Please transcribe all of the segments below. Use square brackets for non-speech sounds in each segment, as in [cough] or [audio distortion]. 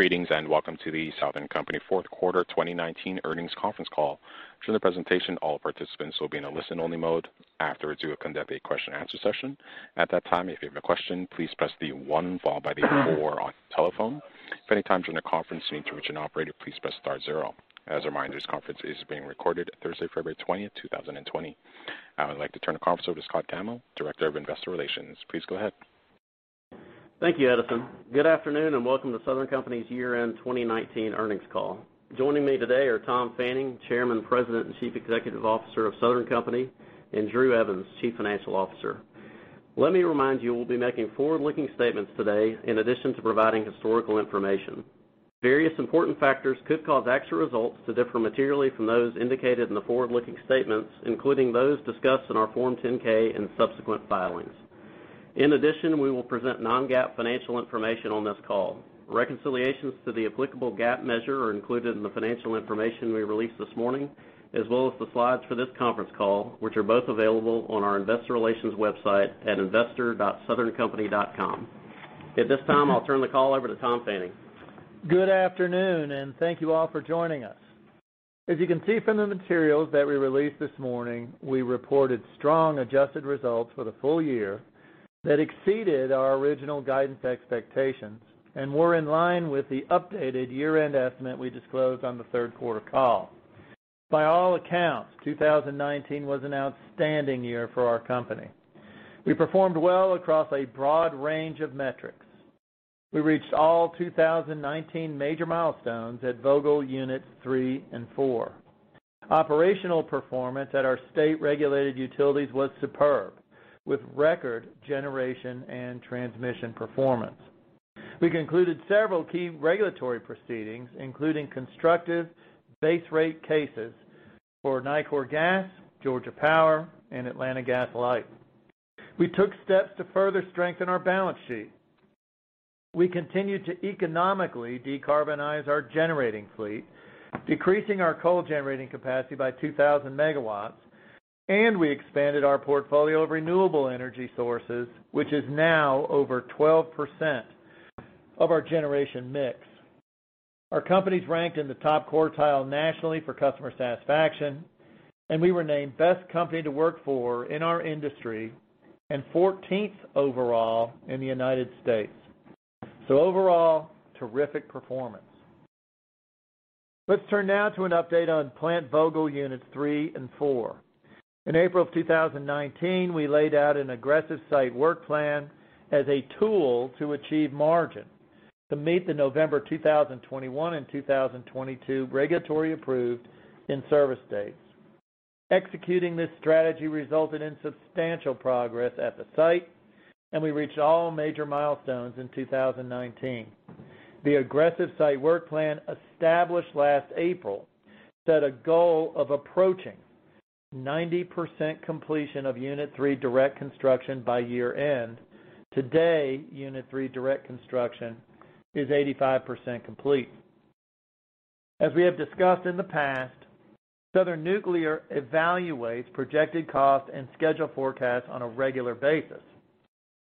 Greetings, and welcome to the Southern Company Fourth Quarter 2019 Earnings Conference Call. Through the presentation, all participants will be in a listen-only mode. Afterwards, we will conduct a question-and-answer session. At that time, if you have a question, please press the one followed by the four on your telephone. If at any time during the conference you need to reach an operator, please press star zero. As a reminder, this conference is being recorded Thursday, February 20th, 2020. I would like to turn the conference over to Scott Gammill, Director of Investor Relations. Please go ahead. Thank you, Edison. Good afternoon, welcome to Southern Company's year-end 2019 earnings call. Joining me today are Tom Fanning, Chairman, President, and Chief Executive Officer of Southern Company, Andrew Evans, Chief Financial Officer. Let me remind you, we'll be making forward-looking statements today in addition to providing historical information. Various important factors could cause actual results to differ materially from those indicated in the forward-looking statements, including those discussed in our Form 10-K and subsequent filings. We will present non-GAAP financial information on this call. Reconciliations to the applicable GAAP measure are included in the financial information we released this morning, as well as the slides for this conference call, which are both available on our Investor Relations website at investor.southerncompany.com. At this time, I'll turn the call over to Tom Fanning. Good afternoon, and thank you all for joining us. As you can see from the materials that we released this morning, we reported strong adjusted results for the full year that exceeded our original guidance expectations and were in line with the updated year-end estimate we disclosed on the third quarter call. By all accounts, 2019 was an outstanding year for our company. We performed well across a broad range of metrics. We reached all 2019 major milestones at Vogtle Units 3 and Unit 4. Operational performance at our state-regulated utilities was superb, with record generation and transmission performance. We concluded several key regulatory proceedings, including constructive base rate cases for Nicor Gas, Georgia Power, and Atlanta Gas Light. We took steps to further strengthen our balance sheet. We continued to economically decarbonize our generating fleet, decreasing our coal generating capacity by 2,000 MW. We expanded our portfolio of renewable energy sources, which is now over 12% of our generation mix. Our company's ranked in the top quartile nationally for customer satisfaction. We were named Best Company to Work for in our industry and 14th overall in the United States. Overall, terrific performance. Let's turn now to an update on Plant Vogtle Units 3 and Unit 4. In April of 2019, we laid out an aggressive site work plan as a tool to achieve margin to meet the November 2021 and 2022 regulatory-approved in-service dates. Executing this strategy resulted in substantial progress at the site. We reached all major milestones in 2019. The aggressive site work plan established last April set a goal of approaching 90% completion of Unit 3 direct construction by year-end. Today, Unit 3 direct construction is 85% complete. As we have discussed in the past, Southern Nuclear evaluates projected cost and schedule forecasts on a regular basis.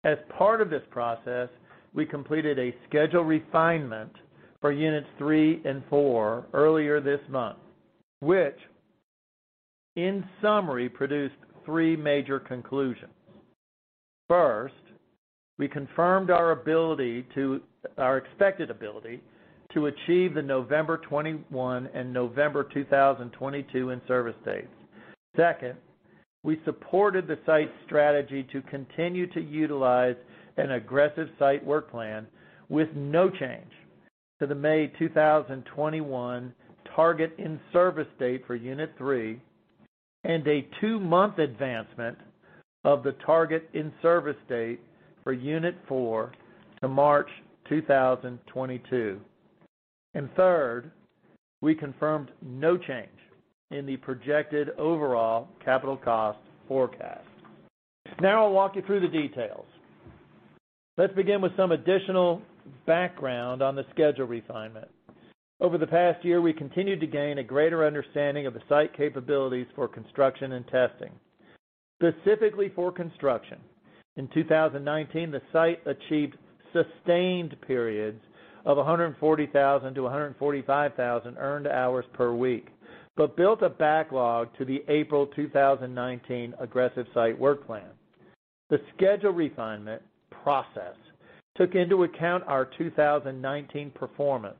As part of this process, we completed a schedule refinement for Unit 3 and Unit 4 earlier this month, which in summary, produced three major conclusions. First, we confirmed our expected ability to achieve the November 2021 and November 2022 in-service dates. Second, we supported the site's strategy to continue to utilize an aggressive site work plan with no change to the May 2021 target in-service date for Unit 3 and a two-month advancement of the target in-service date for Unit 4 to March 2022. Third, we confirmed no change in the projected overall capital cost forecast. Now I'll walk you through the details. Let's begin with some additional background on the schedule refinement. Over the past year, we continued to gain a greater understanding of the site capabilities for construction and testing. Specifically, for construction, in 2019, the site achieved sustained periods of 140,000-145,000 earned hours per week but built a backlog to the April 2019 aggressive site work plan. The schedule refinement process took into account our 2019 performance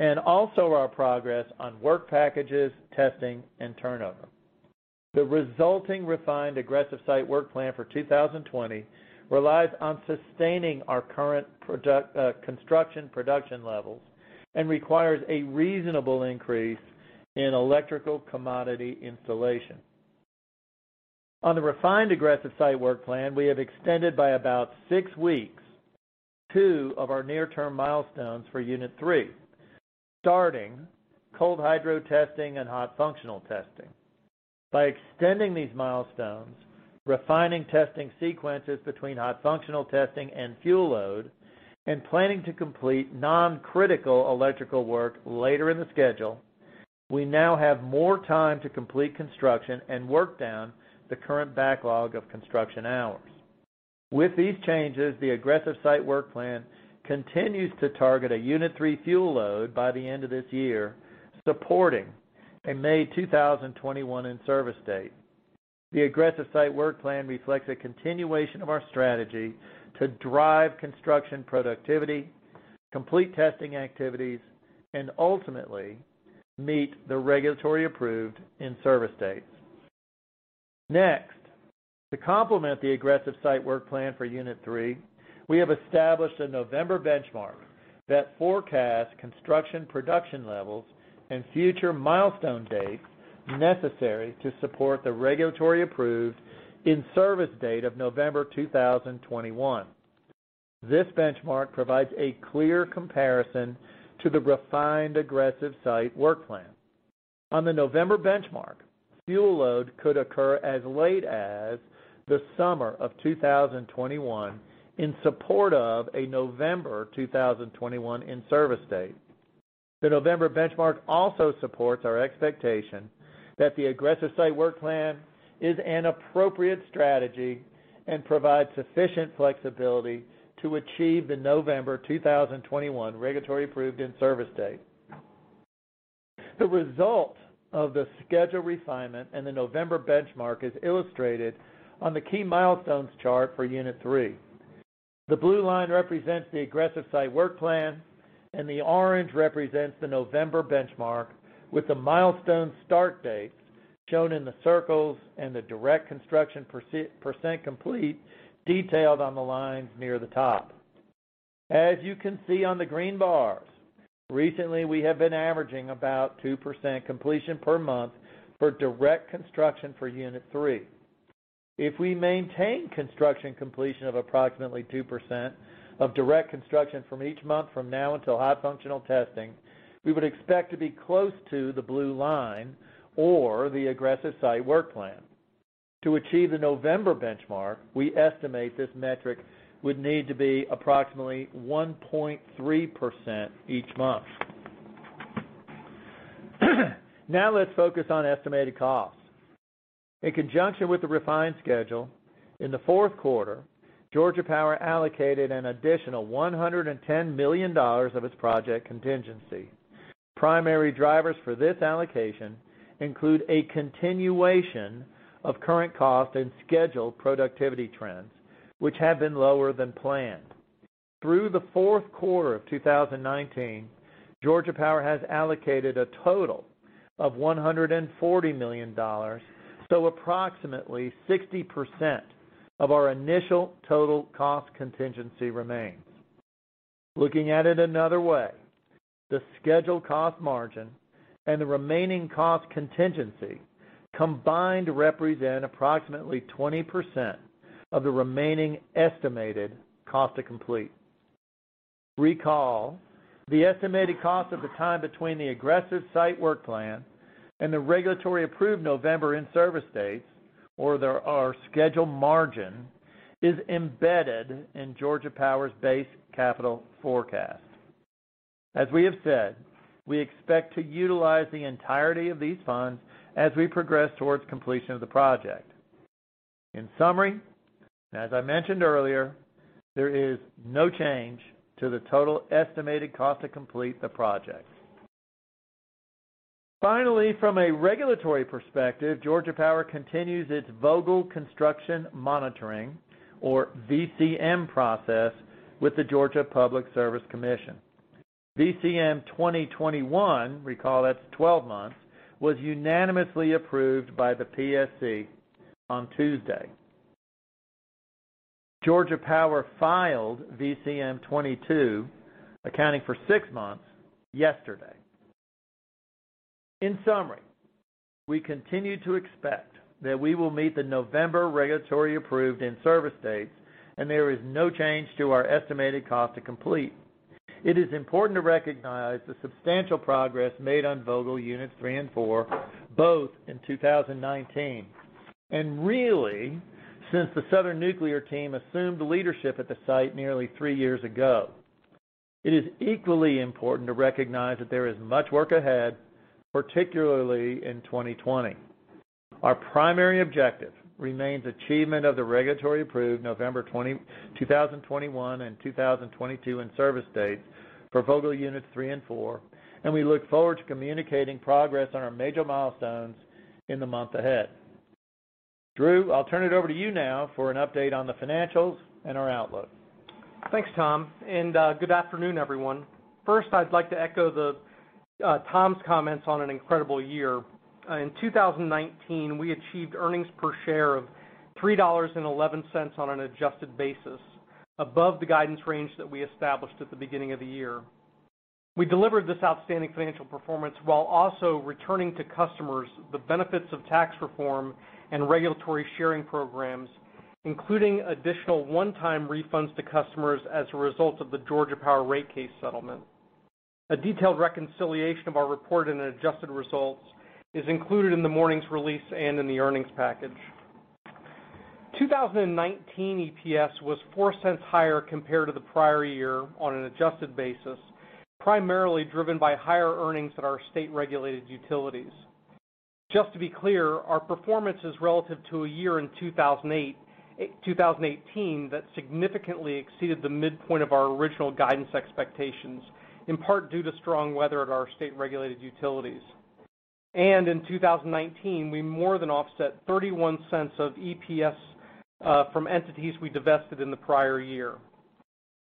and also our progress on work packages, testing, and turnover. The resulting refined aggressive site work plan for 2020 relies on sustaining our current construction production levels and requires a reasonable increase in electrical commodity installation. On the refined aggressive site work plan, we have extended by about six weeks two of our near-term milestones for Unit 3, starting cold hydro testing and hot functional testing. By extending these milestones, refining testing sequences between hot functional testing and fuel load, and planning to complete non-critical electrical work later in the schedule, we now have more time to complete construction and work down the current backlog of construction hours. With these changes, the aggressive site work plan continues to target a Unit 3 fuel load by the end of this year, supporting a May 2021 in-service date. The aggressive site work plan reflects a continuation of our strategy to drive construction productivity, complete testing activities, and ultimately meet the regulatory-approved in-service dates. Next, to complement the aggressive site work plan for Unit 3, we have established a November benchmark that forecasts construction production levels and future milestone dates necessary to support the regulatory-approved in-service date of November 2021. This benchmark provides a clear comparison to the refined aggressive site work plan. On the November benchmark, fuel load could occur as late as the summer of 2021 in support of a November 2021 in-service date. The November benchmark also supports our expectation that the aggressive site work plan is an appropriate strategy and provides sufficient flexibility to achieve the November 2021 regulatory-approved in-service date. The result of the schedule refinement and the November benchmark is illustrated on the key milestones chart for Unit 3. The blue line represents the aggressive site work plan, and the orange represents the November benchmark, with the milestone start dates shown in the circles and the direct construction percent complete detailed on the lines near the top. As you can see on the green bars, recently we have been averaging about 2% completion per month for direct construction for Unit 3. If we maintain construction completion of approximately 2% of direct construction from each month from now until high functional testing, we would expect to be close to the blue line or the aggressive site work plan. To achieve the November benchmark, we estimate this metric would need to be approximately 1.3% each month. Let's focus on estimated costs. In conjunction with the refined schedule, in the fourth quarter, Georgia Power allocated an additional $110 million of its project contingency. Primary drivers for this allocation include a continuation of current cost and schedule productivity trends, which have been lower than planned. Through the fourth quarter of 2019, Georgia Power has allocated a total of $140 million, so approximately 60% of our initial total cost contingency remains. Looking at it another way, the scheduled cost margin and the remaining cost contingency combined represent approximately 20% of the remaining estimated cost to complete. Recall, the estimated cost at the time between the aggressive site work plan and the regulatory-approved November in-service dates, or our schedule margin, is embedded in Georgia Power's base capital forecast. As we have said, we expect to utilize the entirety of these funds as we progress towards completion of the project. In summary, as I mentioned earlier, there is no change to the total estimated cost to complete the project. Finally, from a regulatory perspective, Georgia Power continues its Vogtle Construction Monitoring, or VCM process, with the Georgia Public Service Commission. VCM 2021, recall, that's 12 months, was unanimously approved by the PSC on Tuesday. Georgia Power filed VCM 2022, accounting for six months, yesterday. In summary, we continue to expect that we will meet the November regulatory-approved in-service dates, and there is no change to our estimated cost to complete. It is important to recognize the substantial progress made on Vogtle Units 3 and Unit 4, both in 2019, and really since the Southern Nuclear team assumed leadership at the site nearly three years ago. It is equally important to recognize that there is much work ahead, particularly in 2020. Our primary objective remains achievement of the regulatory-approved November 2021, and 2022 in-service dates for Vogtle Units 3 and Unit 4, and we look forward to communicating progress on our major milestones in the month ahead. Drew, I'll turn it over to you now for an update on the financials and our outlook. Thanks, Tom, and good afternoon, everyone. First, I'd like to echo Tom's comments on an incredible year. In 2019, we achieved earnings per share of $3.11 on an adjusted basis, above the guidance range that we established at the beginning of the year. We delivered this outstanding financial performance while also returning to customers the benefits of tax reform and regulatory sharing programs, including additional one-time refunds to customers as a result of the Georgia Power rate case settlement. A detailed reconciliation of our reported and adjusted results is included in the morning's release and in the earnings package. 2019 EPS was $0.04 higher compared to the prior year on an adjusted basis, primarily driven by higher earnings at our state-regulated utilities. Just to be clear, our performance is relative to a year in 2018 that significantly exceeded the midpoint of our original guidance expectations, in part due to strong weather at our state-regulated utilities. In 2019, we more than offset $0.31 of EPS from entities we divested in the prior year.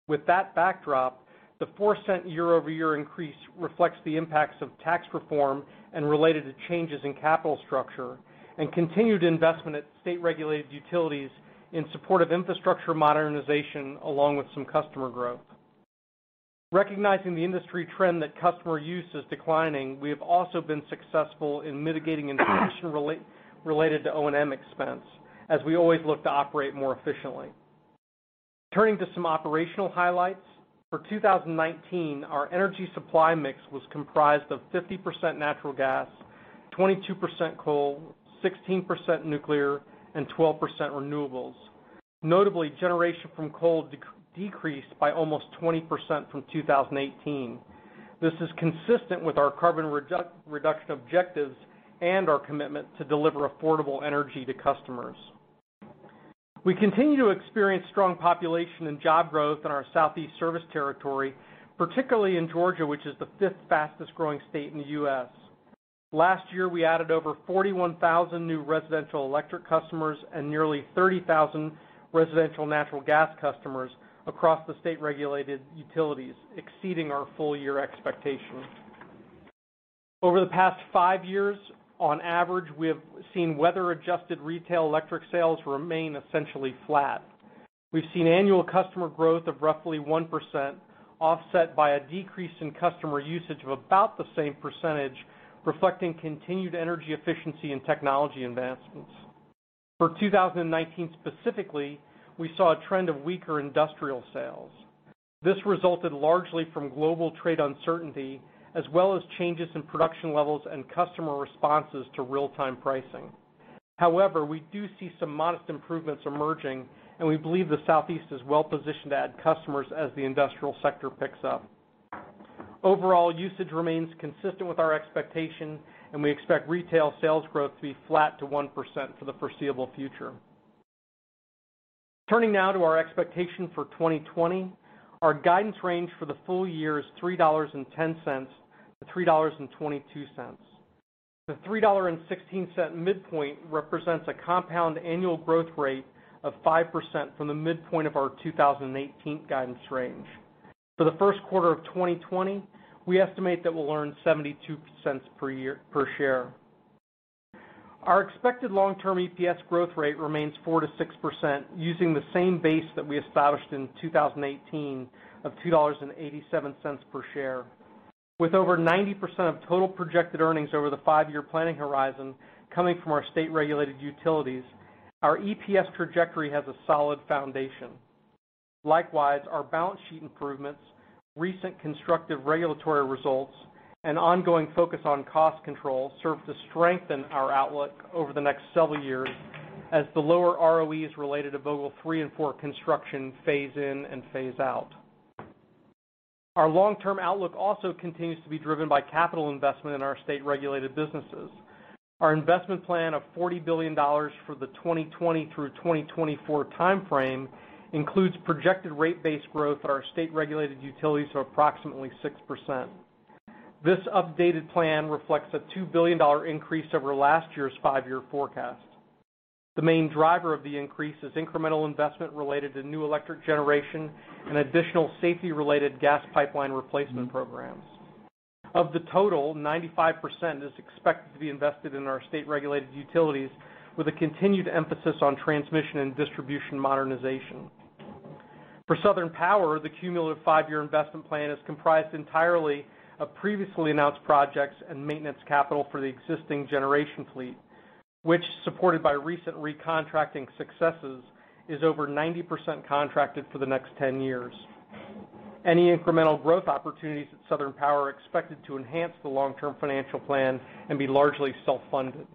With that backdrop, the $0.04 year-over-year increase reflects the impacts of tax reform and related to changes in capital structure, and continued investment at state-regulated utilities in support of infrastructure modernization, along with some customer growth. Recognizing the industry trend that customer use is declining, we have also been successful in mitigating inflation related to O&M expense, as we always look to operate more efficiently. Turning to some operational highlights. For 2019, our energy supply mix was comprised of 50% natural gas, 22% coal, 16% nuclear, and 12% renewables. Notably, generation from coal decreased by almost 20% from 2018. This is consistent with our carbon reduction objectives and our commitment to deliver affordable energy to customers. We continue to experience strong population and job growth in our southeast service territory, particularly in Georgia, which is the fifth fastest-growing state in the U.S. Last year, we added over 41,000 new residential electric customers and nearly 30,000 residential natural gas customers across the state-regulated utilities, exceeding our full-year expectations. Over the past five years, on average, we have seen weather-adjusted retail electric sales remain essentially flat. We've seen annual customer growth of roughly 1%, offset by a decrease in customer usage of about the same percentage, reflecting continued energy efficiency and technology advancements. For 2019 specifically, we saw a trend of weaker industrial sales. This resulted largely from global trade uncertainty, as well as changes in production levels and customer responses to real-time pricing. However, we do see some modest improvements emerging, and we believe the Southeast is well-positioned to add customers as the industrial sector picks up. Overall usage remains consistent with our expectation, and we expect retail sales growth to be flat to 1% for the foreseeable future. Turning now to our expectation for 2020. Our guidance range for the full year is $3.10-$3.22. The $3.16 midpoint represents a compound annual growth rate of 5% from the midpoint of our 2018 guidance range. For the first quarter of 2020, we estimate that we'll earn $0.72 per share. Our expected long-term EPS growth rate remains 4%-6%, using the same base that we established in 2018 of $2.87 per share. With over 90% of total projected earnings over the five-year planning horizon coming from our state-regulated utilities, our EPS trajectory has a solid foundation. Likewise, our balance sheet improvements, recent constructive regulatory results, and ongoing focus on cost control serve to strengthen our outlook over the next several years as the lower ROEs related to Vogtle Units 3 and Unit 4 construction phase in and phase out. Our long-term outlook also continues to be driven by capital investment in our state-regulated businesses. Our investment plan of $40 billion for the 2020 through 2024 timeframe includes projected rate base growth at our state-regulated utilities of approximately 6%. This updated plan reflects a $2 billion increase over last year's five-year forecast. The main driver of the increase is incremental investment related to new electric generation and additional safety-related gas pipeline replacement programs. Of the total, 95% is expected to be invested in our state-regulated utilities, with a continued emphasis on transmission and distribution modernization. For Southern Power, the cumulative five-year investment plan is comprised entirely of previously announced projects and maintenance capital for the existing generation fleet, which, supported by recent recontracting successes, is over 90% contracted for the next 10 years. Any incremental growth opportunities at Southern Power are expected to enhance the long-term financial plan and be largely self-funded.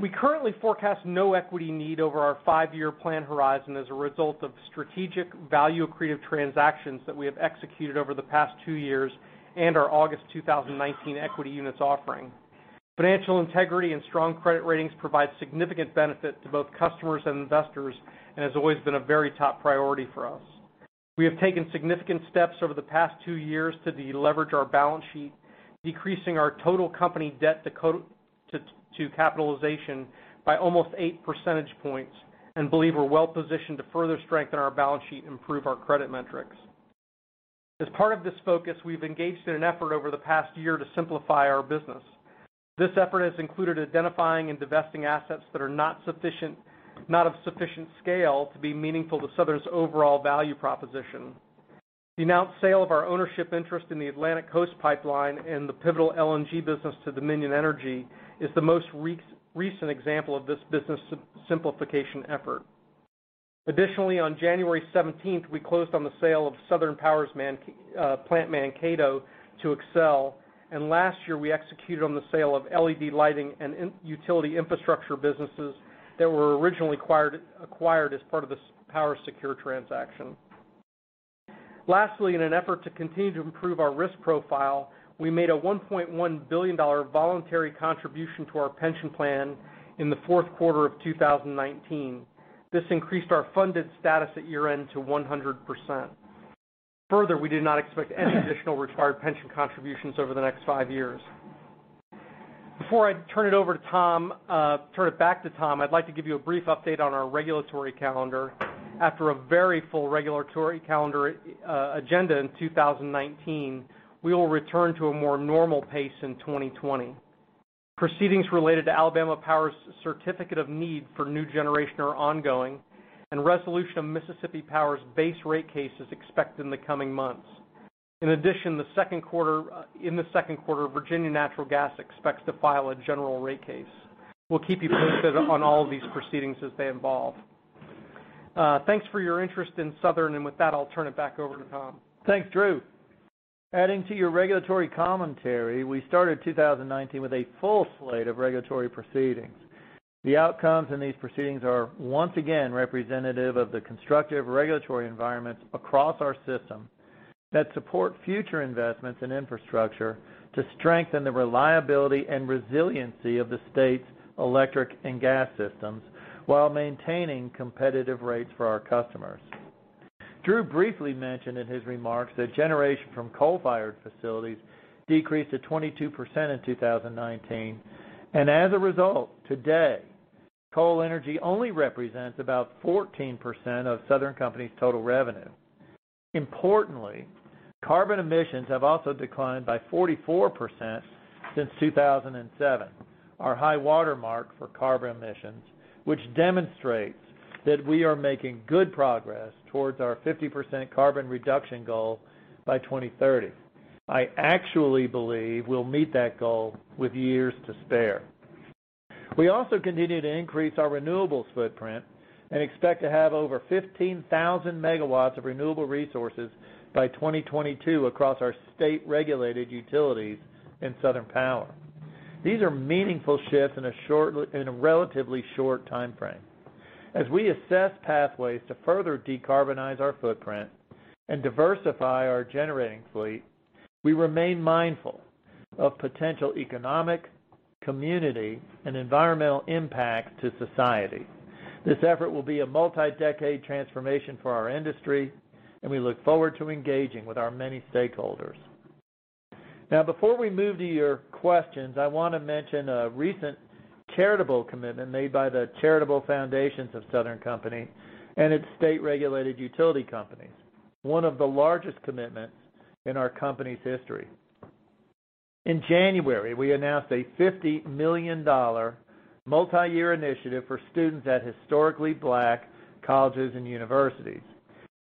We currently forecast no equity need over our five-year plan horizon as a result of strategic value-accretive transactions that we have executed over the past two years and our August 2019 equity units offering. Financial integrity and strong credit ratings provide significant benefit to both customers and investors and has always been a very top priority for us. We have taken significant steps over the past two years to deleverage our balance sheet, decreasing our total company debt to capitalization by almost 8 percentage points and believe we're well-positioned to further strengthen our balance sheet and improve our credit metrics. As part of this focus, we've engaged in an effort over the past year to simplify our business. This effort has included identifying and divesting assets that are not of sufficient scale to be meaningful to Southern's overall value proposition. The announced sale of our ownership interest in the Atlantic Coast Pipeline and the Pivotal LNG business to Dominion Energy is the most recent example of this business simplification effort. Additionally, on January 17th, we closed on the sale of Southern Power's Plant Mankato to Xcel Energy, and last year we executed on the sale of LED lighting and utility infrastructure businesses that were originally acquired as part of the PowerSecure transaction. Lastly, in an effort to continue to improve our risk profile, we made a $1.1 billion voluntary contribution to our pension plan in the fourth quarter of 2019. This increased our funded status at year-end to 100%. Further, we do not expect any additional required pension contributions over the next five years. Before I turn it back to Tom, I'd like to give you a brief update on our regulatory calendar. After a very full regulatory calendar agenda in 2019, we will return to a more normal pace in 2020. Proceedings related to Alabama Power's certificate of need for new generation are ongoing, and resolution of Mississippi Power's base rate case is expected in the coming months. In addition, in the second quarter, Virginia Natural Gas expects to file a general rate case. We'll keep you posted on all of these proceedings as they evolve. Thanks for your interest in Southern, and with that, I'll turn it back over to Tom. Thanks, Drew. Adding to your regulatory commentary, we started 2019 with a full slate of regulatory proceedings. The outcomes in these proceedings are, once again, representative of the constructive regulatory environments across our system that support future investments in infrastructure to strengthen the reliability and resiliency of the state's electric and gas systems while maintaining competitive rates for our customers. Drew briefly mentioned in his remarks that generation from coal-fired facilities decreased to 22% in 2019. As a result, today, coal energy only represents about 14% of Southern Company's total revenue. Importantly, carbon emissions have also declined by 44% since 2007, our high watermark for carbon emissions, which demonstrates that we are making good progress towards our 50% carbon reduction goal by 2030. I actually believe we'll meet that goal with years to spare. We also continue to increase our renewables footprint and expect to have over 15,000 MW of renewable resources by 2022 across our state-regulated utilities in Southern Power. These are meaningful shifts in a relatively short timeframe. As we assess pathways to further decarbonize our footprint and diversify our generating fleet, we remain mindful of potential economic, community, and environmental impact to society. This effort will be a multi-decade transformation for our industry, and we look forward to engaging with our many stakeholders. Now, before we move to your questions, I want to mention a recent charitable commitment made by the charitable foundations of Southern Company and its state-regulated utility companies, one of the largest commitments in our company's history. In January, we announced a $50 million multi-year initiative for students at Historically Black Colleges and Universities.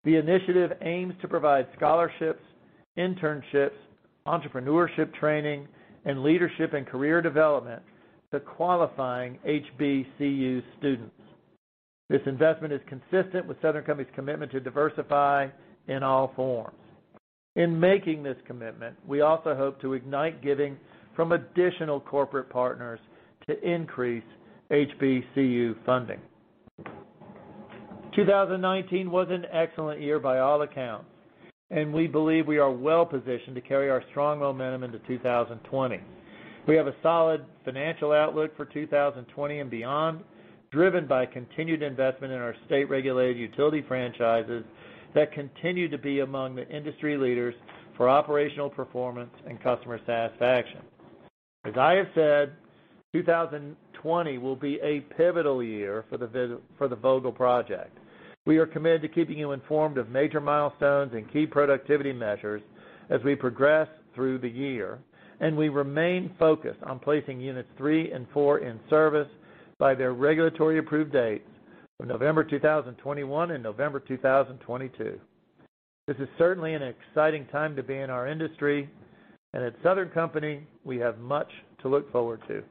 The initiative aims to provide scholarships, internships, entrepreneurship training, and leadership and career development to qualifying HBCU students. This investment is consistent with the Southern Company's commitment to diversify in all forms. In making this commitment, we also hope to ignite giving from additional corporate partners to increase HBCU funding. 2019 was an excellent year by all accounts, and we believe we are well-positioned to carry our strong momentum into 2020. We have a solid financial outlook for 2020 and beyond, driven by continued investment in our state-regulated utility franchises that continue to be among the industry leaders for operational performance and customer satisfaction. As I have said, 2020 will be a pivotal year for the Vogtle project. We are committed to keeping you informed of major milestones and key productivity measures as we progress through the year. We remain focused on placing Units 3 and Unit 4 in service by their regulatory-approved dates of November 2021 and November 2022. This is certainly an exciting time to be in our industry. At Southern Company, we have much to look forward to.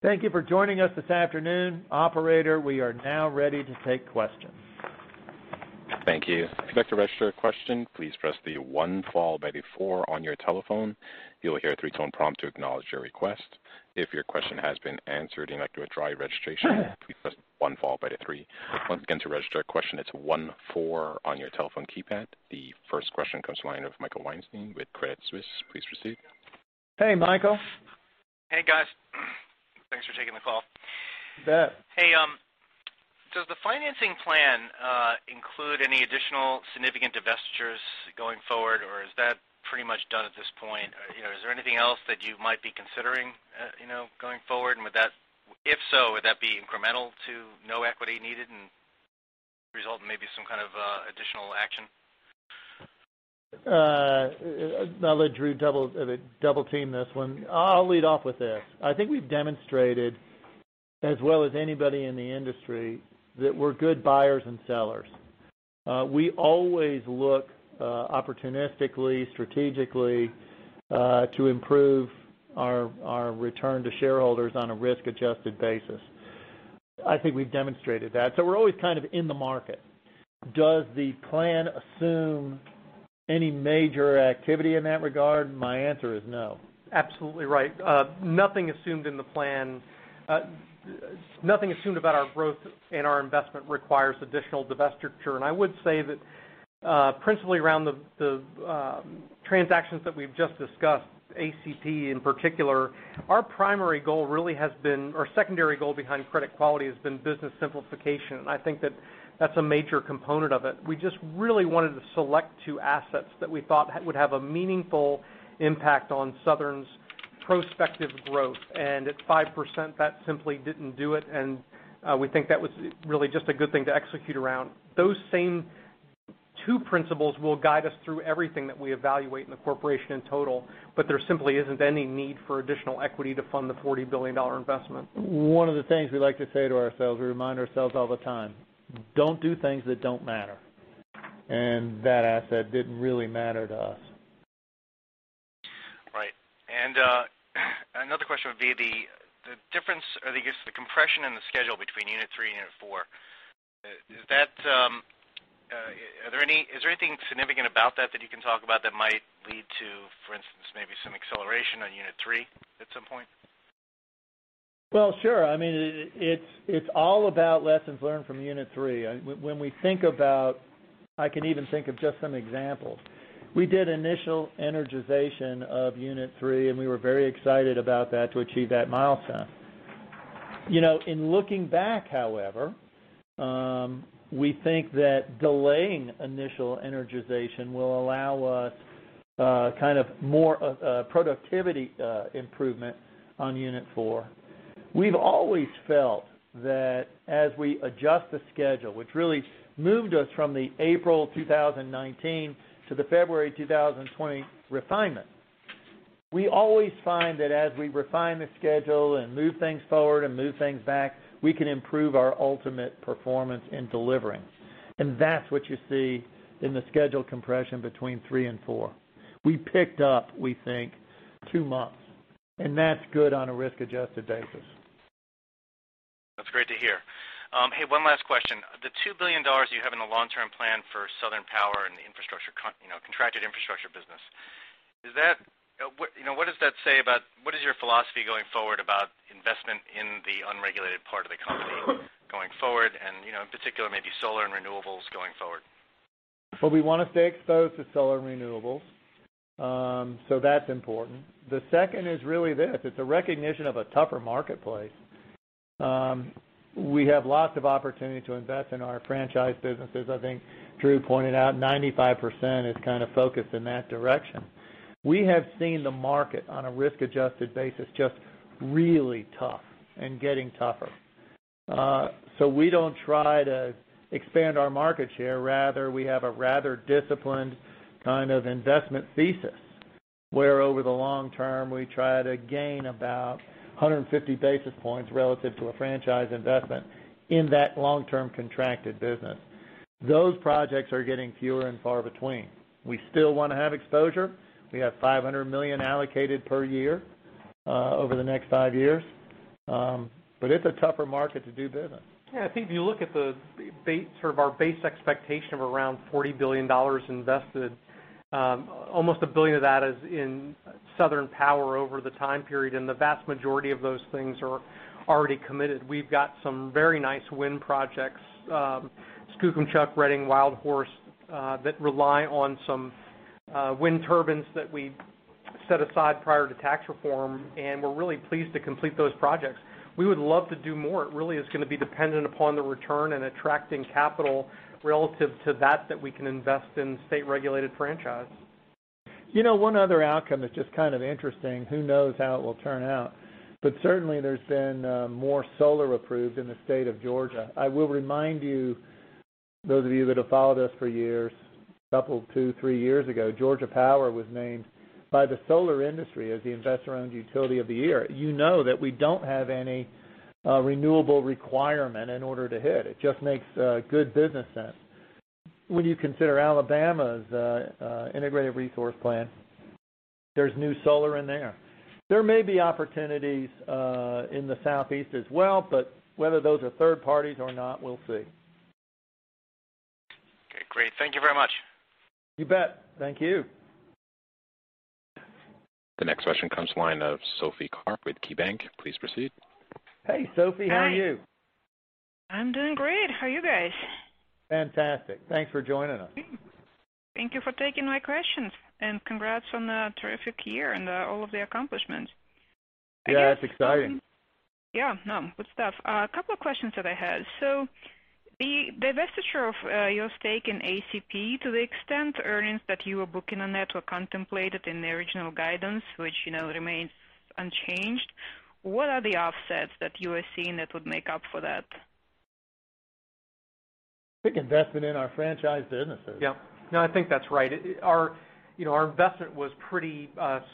Thank you for joining us this afternoon. Operator, we are now ready to take questions. Thank you. To register a question, please press the one followed by the four on your telephone. You will hear a three-tone prompt to acknowledge your request. If your question has been answered and you'd like to withdraw your registration, please press one followed by three. Once again, to register a question, it's one, four on your telephone keypad. The first question comes from the line of Michael Weinstein with Credit Suisse. Please proceed. Hey, Michael. Hey, guys. Thanks for taking the call. You bet. Hey, does the financing plan include any additional significant divestitures going forward, or is that pretty much done at this point? Is there anything else that you might be considering going forward, and if so, would that be incremental to no equity needed and result in maybe some kind of additional action? I'm going to let Drew double-team this one. I'll lead off with this. I think we've demonstrated, as well as anybody in the industry, that we're good buyers and sellers. We always look opportunistically, strategically to improve our return to shareholders on a risk-adjusted basis. I think we've demonstrated that. We're always kind of in the market. Does the plan assume any major activity in that regard? My answer is no. Absolutely right. Nothing assumed about our growth and our investment requires additional divestiture. I would say that principally around the transactions that we've just discussed, ACP in particular, our primary goal really has been or secondary goal behind credit quality has been business simplification. I think that's a major component of it. We just really wanted to select two assets that we thought would have a meaningful impact on Southern's prospective growth. At 5%, that simply didn't do it, and we think that was really just a good thing to execute around. Those same two principles will guide us through everything that we evaluate in the corporation in total, there simply isn't any need for additional equity to fund the $40 billion investment. One of the things we like to say to ourselves, we remind ourselves all the time, "Don't do things that don't matter." That asset didn't really matter to us. Right. Another question would be the difference or I guess the compression in the schedule between Unit 3 and Unit 4. Is there anything significant about that that you can talk about that might lead to, for instance, maybe some acceleration on Unit 3 at some point? Well, sure. It's all about lessons learned from Unit 3. I can even think of just some examples. We did initial energization of Unit 3, and we were very excited about that to achieve that milestone. In looking back, however, we think that delaying initial energization will allow us kind of more productivity improvement on Unit 4. We've always felt that as we adjust the schedule, which really moved us from the April 2019 to the February 2020 refinement. We always find that as we refine the schedule and move things forward and move things back, we can improve our ultimate performance in delivering. That's what you see in the schedule compression between three and four. We picked up, we think, two months, and that's good on a risk-adjusted basis. That's great to hear. Hey, one last question. The $2 billion you have in the long-term plan for Southern Power and the contracted infrastructure business. What is your philosophy going forward about investment in the unregulated part of the company going forward and, in particular, maybe solar and renewables going forward? Well, we want to stay exposed to solar and renewables. That's important. The second is really this. It's a recognition of a tougher marketplace. We have lots of opportunity to invest in our franchise businesses. I think Drew pointed out 95% is kind of focused in that direction. We have seen the market on a risk-adjusted basis just really tough and getting tougher. We don't try to expand our market share. Rather, we have a rather disciplined kind of investment thesis, where over the long term, we try to gain about 150 basis points relative to a franchise investment in that long-term contracted business. Those projects are getting fewer and far between. We still want to have exposure. We have $500 million allocated per year over the next five years. It's a tougher market to do business. I think if you look at sort of our base expectation of around $40 billion invested, almost $1 billion of that is in Southern Power over the time period, the vast majority of those things are already committed. We've got some very nice wind projects, Skookumchuck, Reading, Wild Horse, that rely on some wind turbines that we set aside prior to tax reform, we're really pleased to complete those projects. We would love to do more. It really is going to be dependent upon the return and attracting capital relative to that we can invest in state-regulated franchise. One other outcome that's just kind of interesting, who knows how it will turn out, but certainly there's been more solar approved in the state of Georgia. I will remind you, those of you that have followed us for years, a couple, two years, three years ago, Georgia Power was named by the solar industry as the investor-owned utility of the year. You know that we don't have any renewable requirement in order to hit. It just makes good business sense. When you consider Alabama's integrated resource plan, there's new solar in there. There may be opportunities in the southeast as well, but whether those are third-parties or not, we'll see. Okay, great. Thank you very much. You bet. Thank you. The next question comes to line of Sophie Karp with KeyBanc. Please proceed. Hey, Sophie, how are you? Hi. I'm doing great. How are you guys? Fantastic. Thanks for joining us. Thank you for taking my questions, and congrats on a terrific year and all of the accomplishments. Yeah, it's exciting. Yeah, no, good stuff. A couple of questions that I had. The divestiture of your stake in ACP to the extent earnings that you were booking on that were contemplated in the original guidance, which remains unchanged, what are the offsets that you are seeing that would make up for that? Big investment in our franchise businesses. Yeah. I think that's right. Our investment was pretty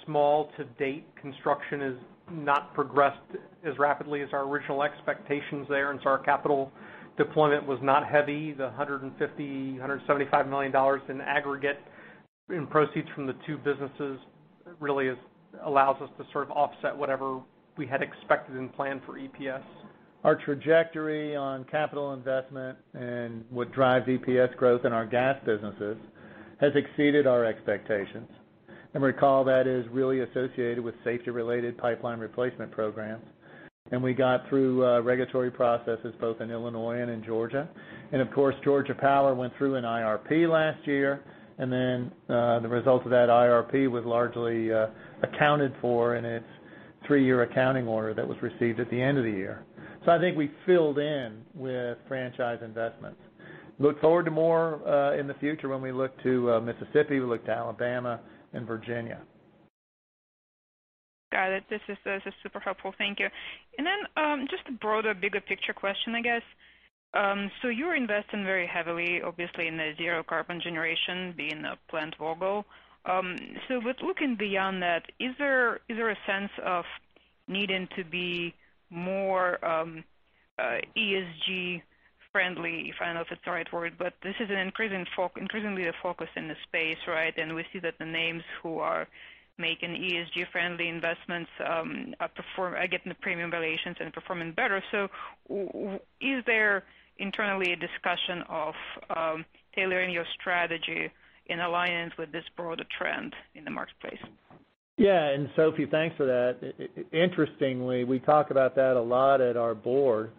small to date. Construction has not progressed as rapidly as our original expectations there. Our capital deployment was not heavy. The $150 million, $175 million in aggregate in proceeds from the two businesses. It really allows us to sort of offset whatever we had expected and planned for EPS. Our trajectory on capital investment and what drives EPS growth in our gas businesses has exceeded our expectations. Recall, that is really associated with safety-related pipeline replacement programs. We got through regulatory processes both in Illinois and in Georgia. Of course, Georgia Power went through an IRP last year, and then the result of that IRP was largely accounted for in its three-year accounting order that was received at the end of the year. I think we filled in with franchise investments. Look forward to more in the future when we look to Mississippi, we look to Alabama, and Virginia. Got it. This is super helpful. Thank you. Then, just a broader, bigger picture question, I guess. You're investing very heavily, obviously, in the zero-carbon generation, being Plant Vogtle. With looking beyond that, is there a sense of needing to be more ESG friendly, if I don't know if it's the right word, but this is increasingly the focus in the space, right? We see that the names who are making ESG-friendly investments are getting the premium valuations and performing better. Is there internally a discussion of tailoring your strategy in alliance with this broader trend in the marketplace? Yeah. Sophie, thanks for that. Interestingly, we talk about that a lot at our Board,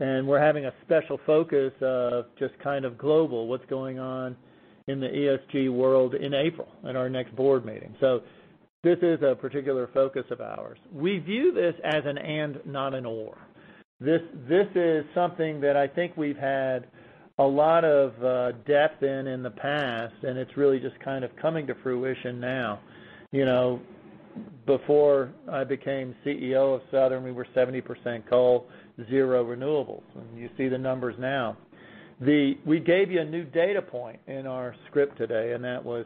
and we're having a special focus of just kind of global, what's going on in the ESG world in April at our next board meeting. This is a particular focus of ours. We view this as an and, not an or. This is something that I think we've had a lot of depth in the past, and it's really just kind of coming to fruition now. Before I became CEO of Southern, we were 70% coal, zero renewables, and you see the numbers now. We gave you a new data point in our script today, and that was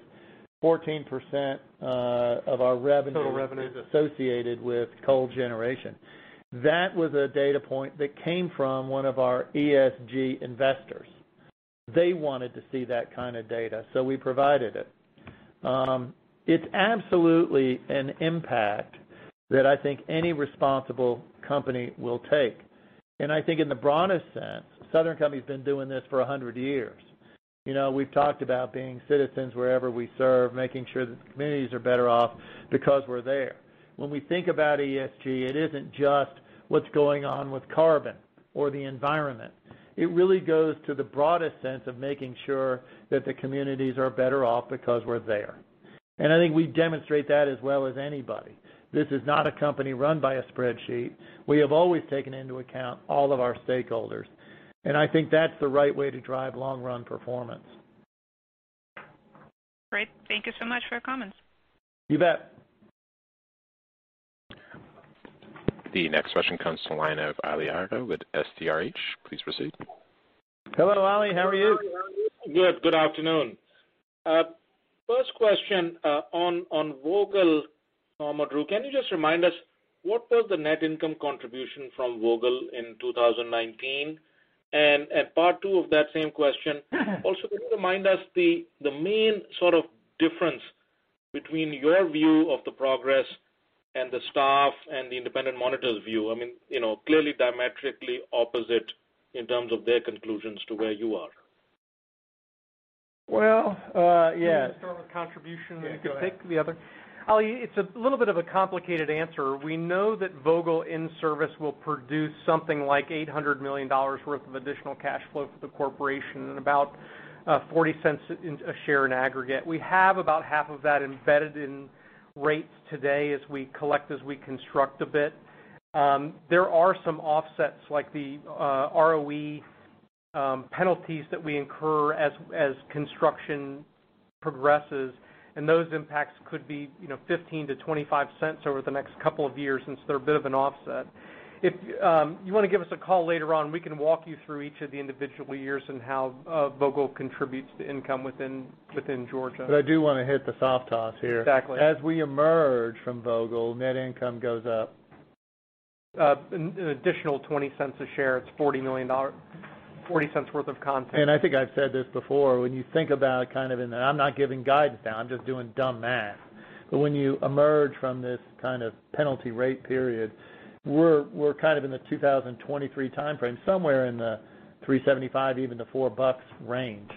14% of our revenue- Total revenues. associated with coal generation. That was a data point that came from one of our ESG investors. They wanted to see that kind of data, we provided it. It's absolutely an impact that I think any responsible company will take. I think in the broadest sense, Southern Company's been doing this for 100 years. We've talked about being citizens wherever we serve, making sure that the communities are better off because we're there. When we think about ESG, it isn't just what's going on with carbon or the environment. It really goes to the broadest sense of making sure that the communities are better off because we're there. I think we demonstrate that as well as anybody. This is not a company run by a spreadsheet. We have always taken into account all of our stakeholders, I think that's the right way to drive long-run performance. Great. Thank you so much for your comments. You bet. The next question comes to line of Ali Agha with STRH. Please proceed. Hello, Ali. How are you? Good. Good afternoon. First question, on Vogtle, Drew, can you just remind us what was the net income contribution from Vogtle in 2019? Part two of that same question, also could you remind us the main sort of difference between your view of the progress and the staff and the independent monitor's view? I mean, clearly diametrically opposite in terms of their conclusions to where you are. Well, yeah. Maybe start with contribution. Yeah, go ahead. You pick the other. Ali, it's a little bit of a complicated answer. We know that Vogtle in service will produce something like $800 million worth of additional cash flow for the corporation and about $0.40 a share in aggregate. We have about half of that embedded in rates today as we collect, as we construct a bit. There are some offsets like the ROE penalties that we incur as construction progresses. Those impacts could be $0.15-$0.25 over the next couple of years since they're a bit of an offset. If you want to give us a call later on, we can walk you through each of the individual years and how Vogtle contributes to income within Georgia. I do want to hit the soft toss here. Exactly. As we emerge from Vogtle, net income goes up. An additional $0.20 a share. It's $0.40 worth of content. I think I've said this before, when you think about kind of in the I'm not giving guidance now, I'm just doing dumb math. When you emerge from this kind of penalty rate period, we're kind of in the 2023 timeframe, somewhere in the $3.75, even to $4 range,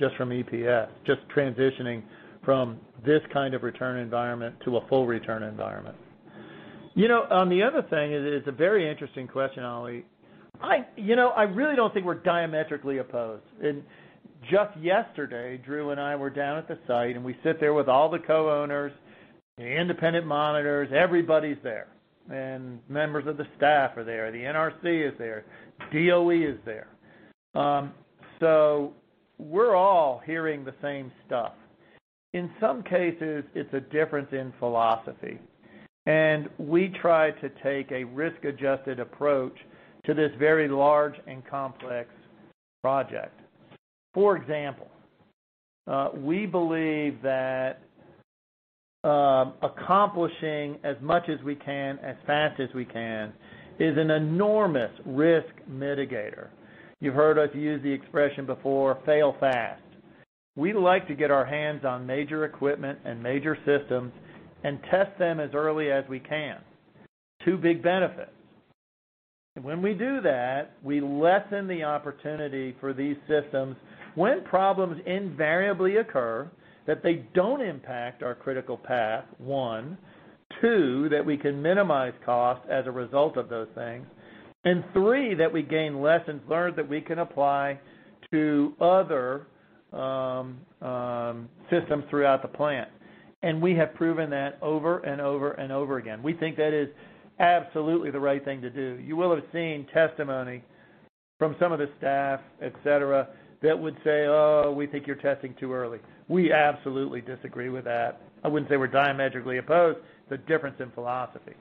just from EPS, just transitioning from this kind of return environment to a full return environment. The other thing is, it's a very interesting question, Ali. I really don't think we're diametrically opposed. Just yesterday, Drew and I were down at the site, and we sit there with all the co-owners, the independent monitors, everybody's there, and members of the staff are there, the NRC is there, DOE is there. We're all hearing the same stuff. In some cases, it's a difference in philosophy. We try to take a risk-adjusted approach to this very large and complex project. For example, we believe that accomplishing as much as we can, as fast as we can is an enormous risk mitigator. You've heard us use the expression before, "fail fast." We like to get our hands on major equipment and major systems and test them as early as we can. Two big benefits. When we do that, we lessen the opportunity for these systems, when problems invariably occur, that they don't impact our critical path, one. Two, that we can minimize cost as a result of those things. Three, that we gain lessons learned that we can apply to other systems throughout the plant. We have proven that over and over and over again. We think that is absolutely the right thing to do. You will have seen testimony from some of the staff, et cetera, that would say, "Oh, we think you're testing too early." We absolutely disagree with that. I wouldn't say we're diametrically opposed, but difference in philosophy.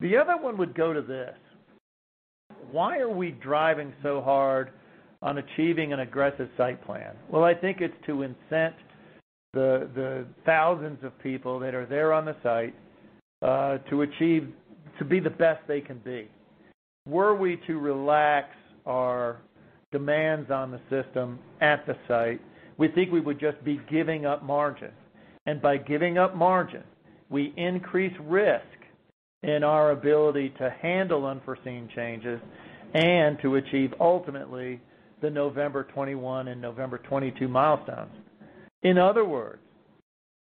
The other one would go to this. Why are we driving so hard on achieving an aggressive site plan? Well, I think it's to incent the thousands of people that are there on the site to be the best they can be. Were we to relax our demands on the system at the site, we think we would just be giving up margin. By giving up margin, we increase risk in our ability to handle unforeseen changes and to achieve, ultimately, the November 2021 and November 2022 milestones. In other words,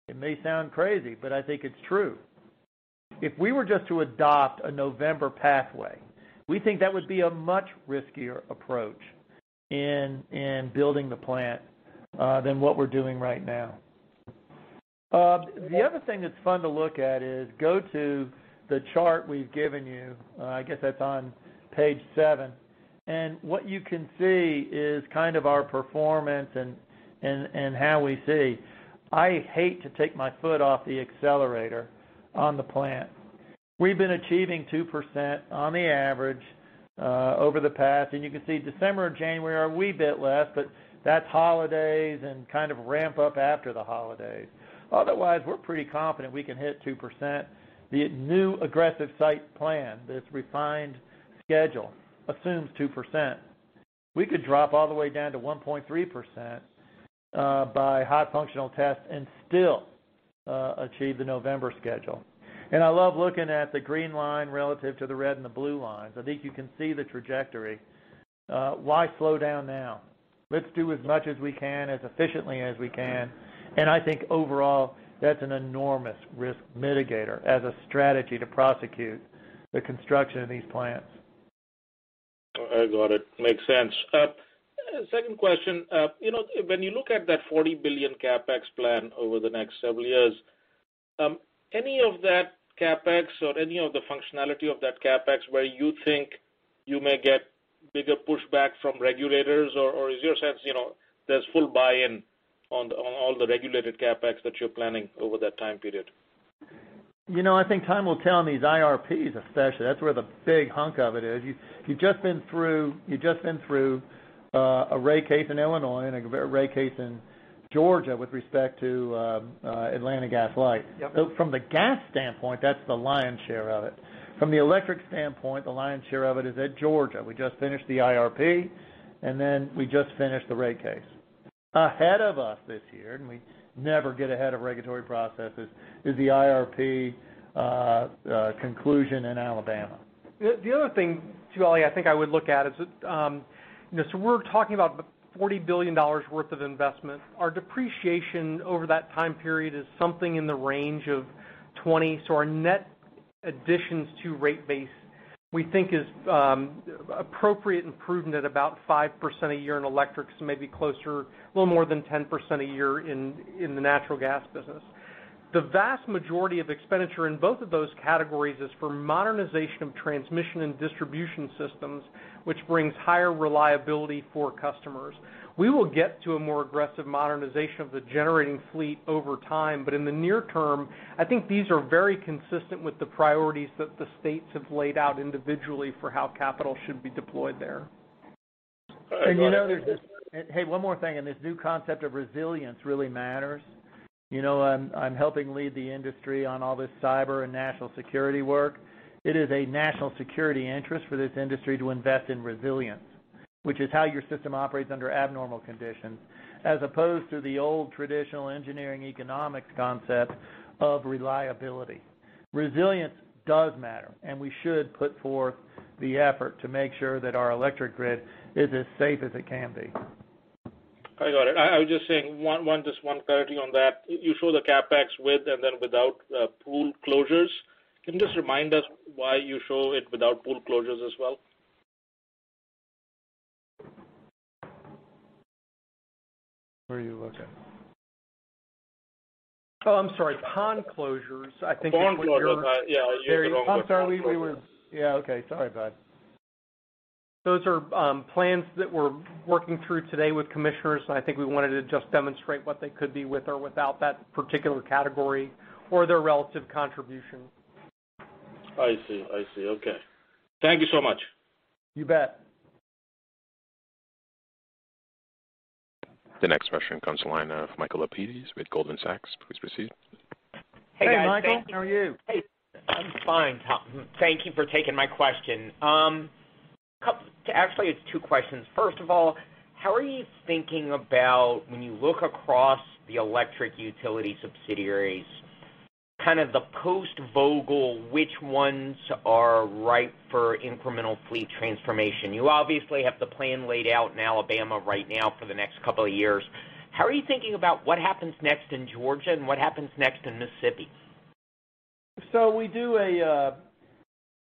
it may sound crazy, but I think it's true. If we were just to adopt a November pathway, we think that would be a much riskier approach in building the plant than what we're doing right now. The other thing that's fun to look at is go to the chart we've given you. I guess that's on page seven. What you can see is kind of our performance and how we see. I hate to take my foot off the accelerator on the plant. We've been achieving 2% on the average over the past. You can see December and January are a wee bit less, but that's holidays and kind of ramp up after the holidays. Otherwise, we're pretty confident we can hit 2%. The new aggressive site plan, this refined schedule assumes 2%. We could drop all the way down to 1.3% by high functional tests and still achieve the November schedule. I love looking at the green line relative to the red and the blue lines. I think you can see the trajectory. Why slow down now? Let's do as much as we can as efficiently as we can. I think overall, that's an enormous risk mitigator as a strategy to prosecute the construction of these plants. I got it. Makes sense. Second question. When you look at that $40 billion CapEx plan over the next several years, any of that CapEx or any of the functionality of that CapEx where you think you may get bigger pushback from regulators, or is your sense there's full buy-in on all the regulated CapEx that you're planning over that time period? I think time will tell on these IRPs especially. That's where the big hunk of it is. You've just been through a rate case in Illinois and a rate case in Georgia with respect to Atlanta Gas Light. Yep. From the gas standpoint, that's the lion's share of it. From the electric standpoint, the lion's share of it is at Georgia. We just finished the IRP, and then we just finished the rate case. Ahead of us this year, and we never get ahead of regulatory processes, is the IRP conclusion in Alabama. The other thing too, Ali, I think I would look at is, so we're talking about the $40 billion worth of investment. Our depreciation over that time period is something in the range of 20. Our net additions to rate base, we think is appropriate and prudent at about 5% a year in electrics, maybe closer, a little more than 10% a year in the natural gas business. The vast majority of expenditure in both of those categories is for modernization of transmission and distribution systems, which brings higher reliability for customers. We will get to a more aggressive modernization of the generating fleet over time, but in the near term, I think these are very consistent with the priorities that the states have laid out individually for how capital should be deployed there. I got it. Hey, one more thing, and this new concept of resilience really matters. I'm helping lead the industry on all this cyber and national security work. It is a national security interest for this industry to invest in resilience, which is how your system operates under abnormal conditions, as opposed to the old traditional engineering economics concept of reliability. Resilience does matter, and we should put forth the effort to make sure that our electric grid is as safe as it can be. I got it. I was just saying just one clarity on that. You show the CapEx with and then without pool closures. Can you just remind us why you show it without pool closures as well? Where are you looking? Oh, I'm sorry. Pond closures. Pond closures. Yeah, I used the wrong word. I'm sorry. Yeah, okay. Sorry about it. Those are plans that we're working through today with commissioners, and I think we wanted to just demonstrate what they could be with or without that particular category or their relative contribution. I see. Okay. Thank you so much. You bet. The next question comes to the line of Michael Lapides with Goldman Sachs. Please proceed. Hey, guys. Hey, Michael. How are you? Hey. I'm fine, Tom. Thank you for taking my question. Actually, it's two questions. First of all, how are you thinking about when you look across the electric utility subsidiaries, kind of the post-Vogtle, which ones are ripe for incremental fleet transformation? You obviously have the plan laid out in Alabama right now for the next couple of years. How are you thinking about what happens next in Georgia and what happens next in Mississippi?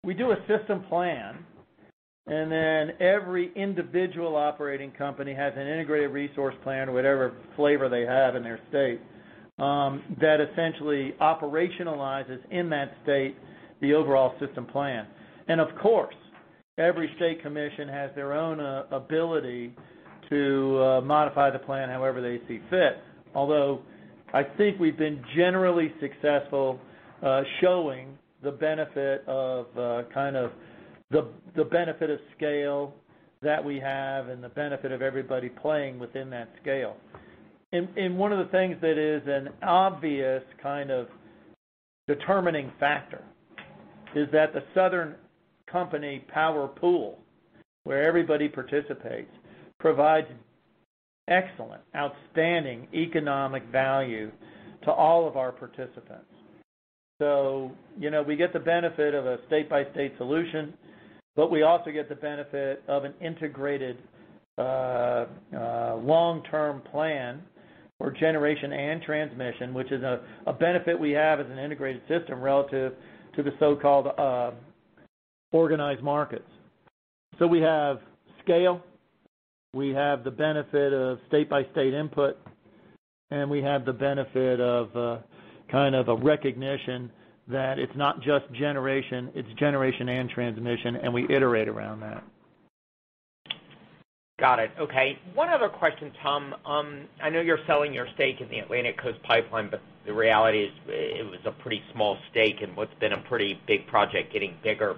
We do a system plan, then every individual operating company has an integrated resource plan or whatever flavor they have in their state, that essentially operationalizes in that state the overall system plan. Of course, every state commission has their own ability to modify the plan however they see fit. Although, I think we've been generally successful showing the benefit of scale that we have and the benefit of everybody playing within that scale. One of the things that is an obvious determining factor is that the Southern Company power pool, where everybody participates, provides excellent, outstanding economic value to all of our participants. We get the benefit of a state-by-state solution, but we also get the benefit of an integrated, long-term plan for generation and transmission, which is a benefit we have as an integrated system relative to the so-called organized markets. We have scale, we have the benefit of state-by-state input, and we have the benefit of a recognition that it's not just generation, it's generation and transmission, and we iterate around that. Got it. Okay. One other question, Tom. I know you're selling your stake in the Atlantic Coast Pipeline, but the reality is it was a pretty small stake in what's been a pretty big project getting bigger.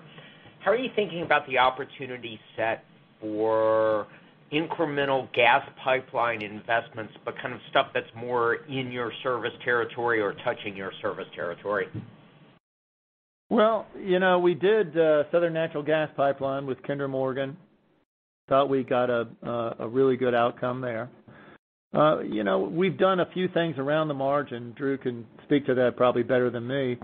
How are you thinking about the opportunity set for incremental gas pipeline investments, but kind of stuff that's more in your service territory or touching your service territory? We did Southern Natural Gas Pipeline with Kinder Morgan. Thought we got a really good outcome there. We've done a few things around the margin. Drew can speak to that probably better than me.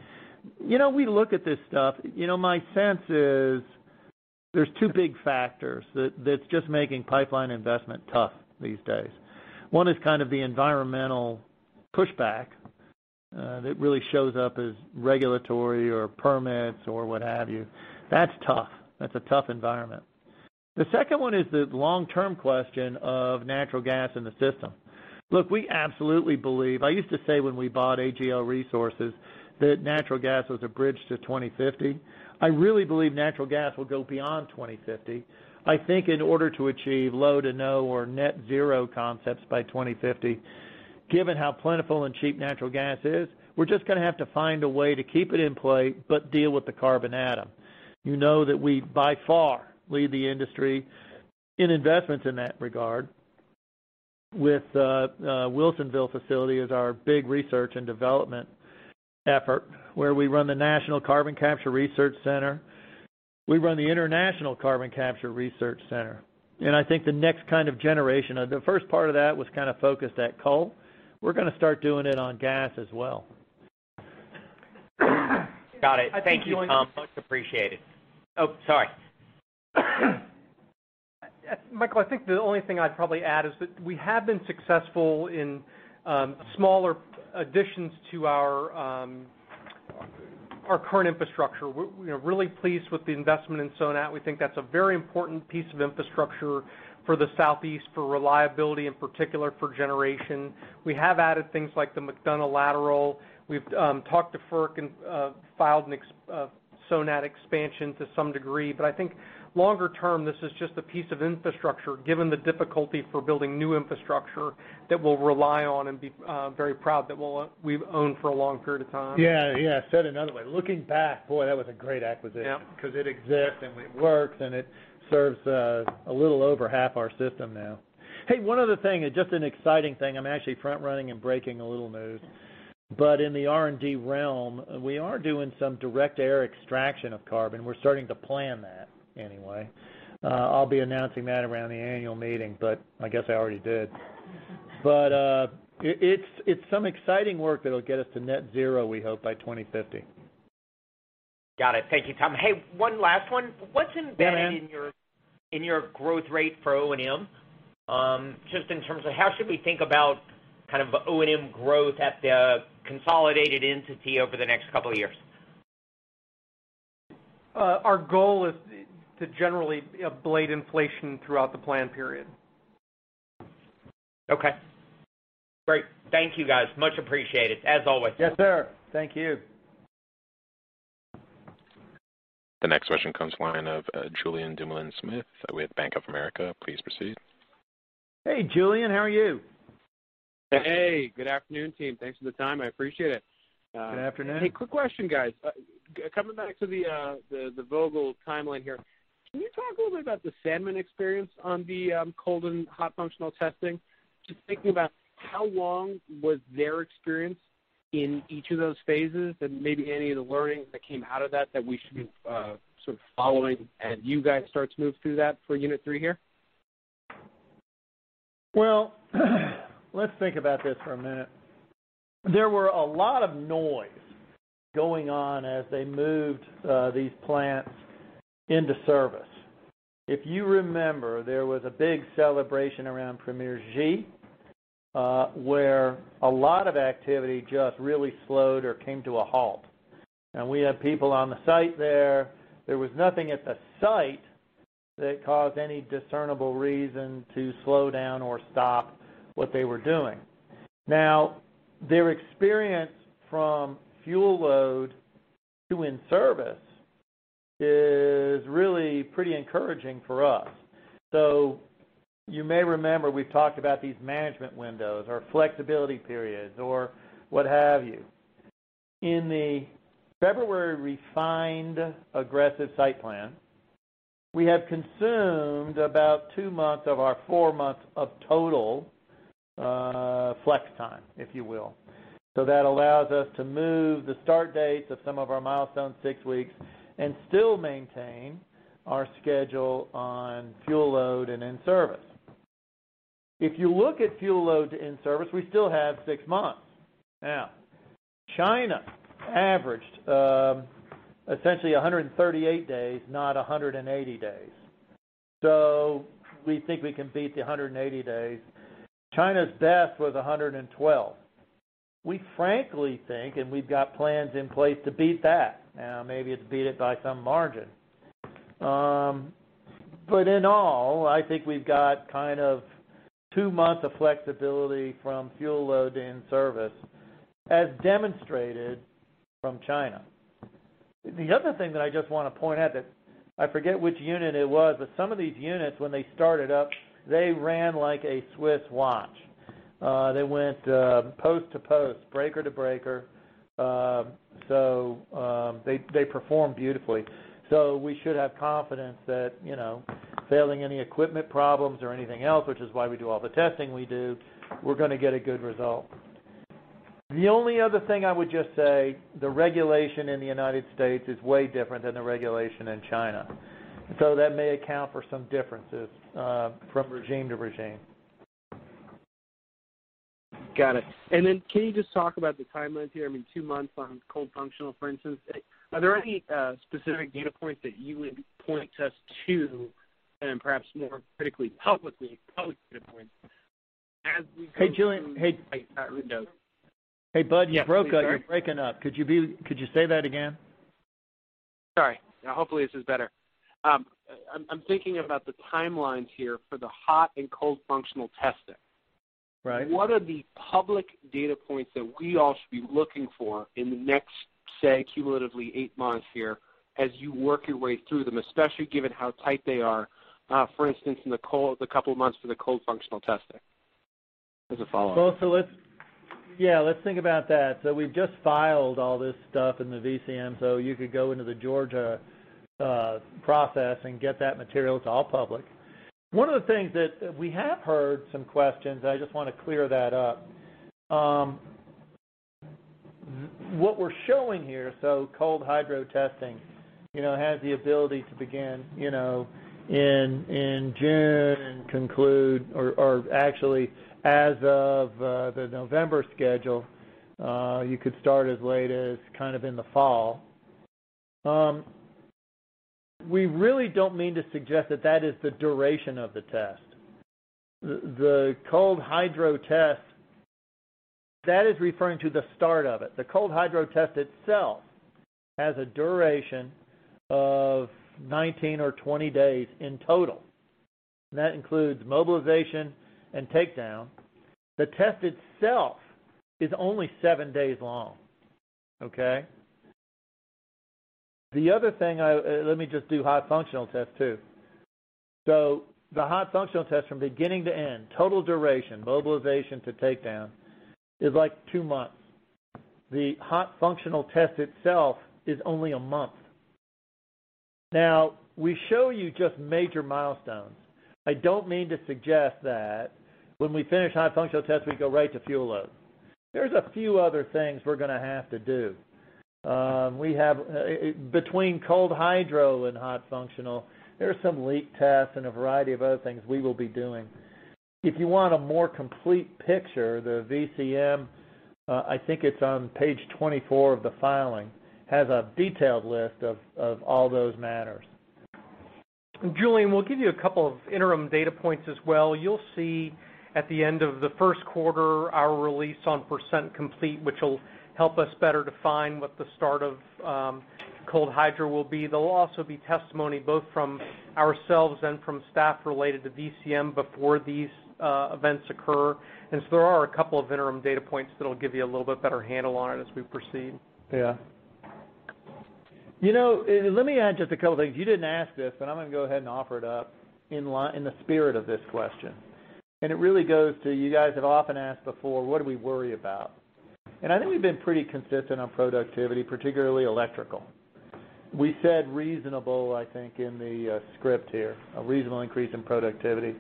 We look at this stuff. My sense is there's two big factors that is just making pipeline investment tough these days. One is kind of the environmental pushback that really shows up as regulatory or permits or what have you. That's tough. That's a tough environment. The second one is the long-term question of natural gas in the system. We absolutely believe. I used to say when we bought AGL Resources, that natural gas was a bridge to 2050. I really believe natural gas will go beyond 2050. I think in order to achieve low-to-no or net-zero concepts by 2050, given how plentiful and cheap natural gas is, we're just going to have to find a way to keep it in play, but deal with the carbon atom. You know that we, by far, lead the industry in investments in that regard with Wilsonville facility as our big research and development effort, where we run the National Carbon Capture Center. We run the international Carbon Capture Research Center. I think the next kind of generation of the first part of that was kind of focused at coal. We're going to start doing it on gas as well. Got it. Thank you, Tom. Much appreciated. Oh, sorry. Michael, I think the only thing I'd probably add is that we have been successful in smaller additions to our current infrastructure. We're really pleased with the investment in SONAT. We think that's a very important piece of infrastructure for the Southeast for reliability, in particular for generation. We have added things like the McDonough Lateral. We've talked to FERC and filed a SONAT expansion to some degree. I think longer term, this is just a piece of infrastructure, given the difficulty for building new infrastructure, that we'll rely on and be very proud that we've owned for a long period of time. Yeah. Said another way, looking back, boy, that was a great acquisition. Yep. Because it exists, and it works, and it serves a little over half our system now. Hey, one other thing, and just an exciting thing. I'm actually front-running and breaking a little news. In the R&D realm, we are doing some direct air extraction of carbon. We're starting to plan that, anyway. I'll be announcing that around the annual meeting, but I guess I already did. It's some exciting work that'll get us to net-zero, we hope, by 2050. Got it. Thank you, Tom. Hey, one last one. What's embedded- [audio distortion] in your growth rate for O&M? Just in terms of how should we think about kind of O&M growth at the consolidated entity over the next couple of years? Our goal is to generally blade inflation throughout the plan period. Okay. Great. Thank you, guys. Much appreciated, as always. Yes, sir. Thank you. The next question comes line of Julien Dumoulin-Smith with Bank of America. Please proceed. Hey, Julien, how are you? Hey, good afternoon, team. Thanks for the time. I appreciate it. Good afternoon. Hey, quick question, guys. Coming back to the Vogtle timeline here, can you talk a little bit about the Sanmen experience on the cold and hot functional testing? Just thinking about how long was their experience in each of those phases and maybe any of the learnings that came out of that we should be sort of following as you guys start to move through that for Unit 3 here? Well, let's think about this for a minute. There was a lot of noise going on as they moved these plants into service. If you remember, there was a big celebration around premier ESG, where a lot of activity just really slowed or came to a halt. We had people on the site there. There was nothing at the site that caused any discernible reason to slow down or stop what they were doing. Their experience from fuel load to in-service is really pretty encouraging for us. You may remember, we've talked about these management windows or flexibility periods or what have you. In the February refined aggressive site plan, we have consumed about two months of our four months of total flex time, if you will. That allows us to move the start dates of some of our milestones six weeks and still maintain our schedule on fuel load and in-service. If you look at fuel load to in-service, we still have six months. China averaged essentially 138 days, not 180 days. We think we can beat the 180 days. China's best was 112. We frankly think, and we've got plans in place to beat that. Maybe it's beat it by some margin. In all, I think we've got kind of two months of flexibility from fuel load to in-service, as demonstrated from China. The other thing that I just want to point out that I forget which unit it was, but some of these units, when they started up, they ran like a Swiss watch. They went post to post, breaker to breaker. They performed beautifully. We should have confidence that, failing any equipment problems or anything else, which is why we do all the testing we do, we're going to get a good result. The only other thing I would just say, the regulation in the United States is way different than the regulation in China. That may account for some differences from regime to regime. Got it. Then can you just talk about the timelines here? I mean, two months on cold functional, for instance. Are there any specific data points that you would point us to and perhaps more critically, public data points? Hey, Julien. Hey. [audio distortion] Hey, Bud. Yes. You broke up. You're breaking up. Could you say that again? Sorry. Hopefully this is better. I'm thinking about the timelines here for the hot and cold functional testing. Right. What are the public data points that we all should be looking for in the next, say, cumulatively eight months here as you work your way through them, especially given how tight they are, for instance, the couple of months for the cold functional testing? As a follow-up. Yeah, let's think about that. We've just filed all this stuff in the VCM, so you could go into the Georgia process and get that material. It's all public. One of the things that we have heard some questions, I just want to clear that up. What we're showing here, cold hydro testing has the ability to begin in June and conclude or actually as of the November schedule. You could start as late as kind of in the fall. We really don't mean to suggest that that is the duration of the test. The cold hydro test, that is referring to the start of it. The cold hydro test itself has a duration of 19 days or 20 days in total. That includes mobilization and takedown. The test itself is only seven days long. Okay? The other thing, let me just do hot functional test too. The hot functional test from beginning to end, total duration, mobilization to takedown, is like two months. The hot functional test itself is only a month. We show you just major milestones. I don't mean to suggest that when we finish hot functional test, we go right to fuel load. There's a few other things we're going to have to do. Between cold hydro and hot functional, there are some leak tests and a variety of other things we will be doing. If you want a more complete picture, the VCM, I think it's on page 24 of the filing, has a detailed list of all those matters. Julien, we'll give you a couple of interim data points as well. You'll see at the end of the first quarter our release on percent complete, which will help us better define what the start of cold hydro will be. There'll also be testimony both from ourselves and from staff related to VCM before these events occur. There are a couple of interim data points that'll give you a little bit better handle on it as we proceed. Yeah. Let me add just a couple things. You didn't ask this, but I'm going to go ahead and offer it up in the spirit of this question. It really goes to, you guys have often asked before, what do we worry about? I think we've been pretty consistent on productivity, particularly electrical. We said reasonable, I think, in the script here, a reasonable increase in productivity.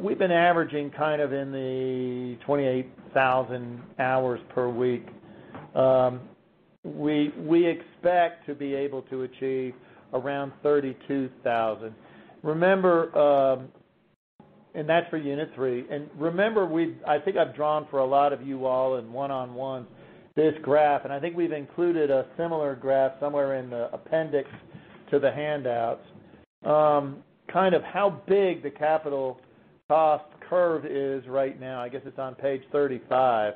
We've been averaging kind of in the 28,000 hours per week. We expect to be able to achieve around 32,000 hours. That's for Unit 3. Remember, I think I've drawn for a lot of you all in one-on-one this graph, and I think we've included a similar graph somewhere in the appendix to the handouts, kind of how big the capital cost curve is right now, I guess it's on page 35,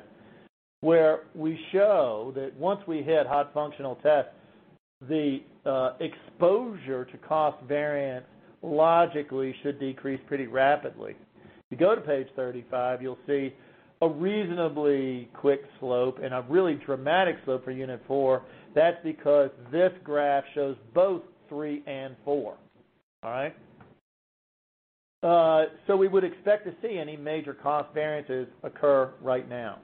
where we show that once we hit hot functional test, the exposure to cost variance logically should decrease pretty rapidly. If you go to page 35, you'll see a reasonably quick slope and a really dramatic slope for Unit 4. That's because this graph shows both Units 3 and Unit 4. All right? We would expect to see any major cost variances occur right now.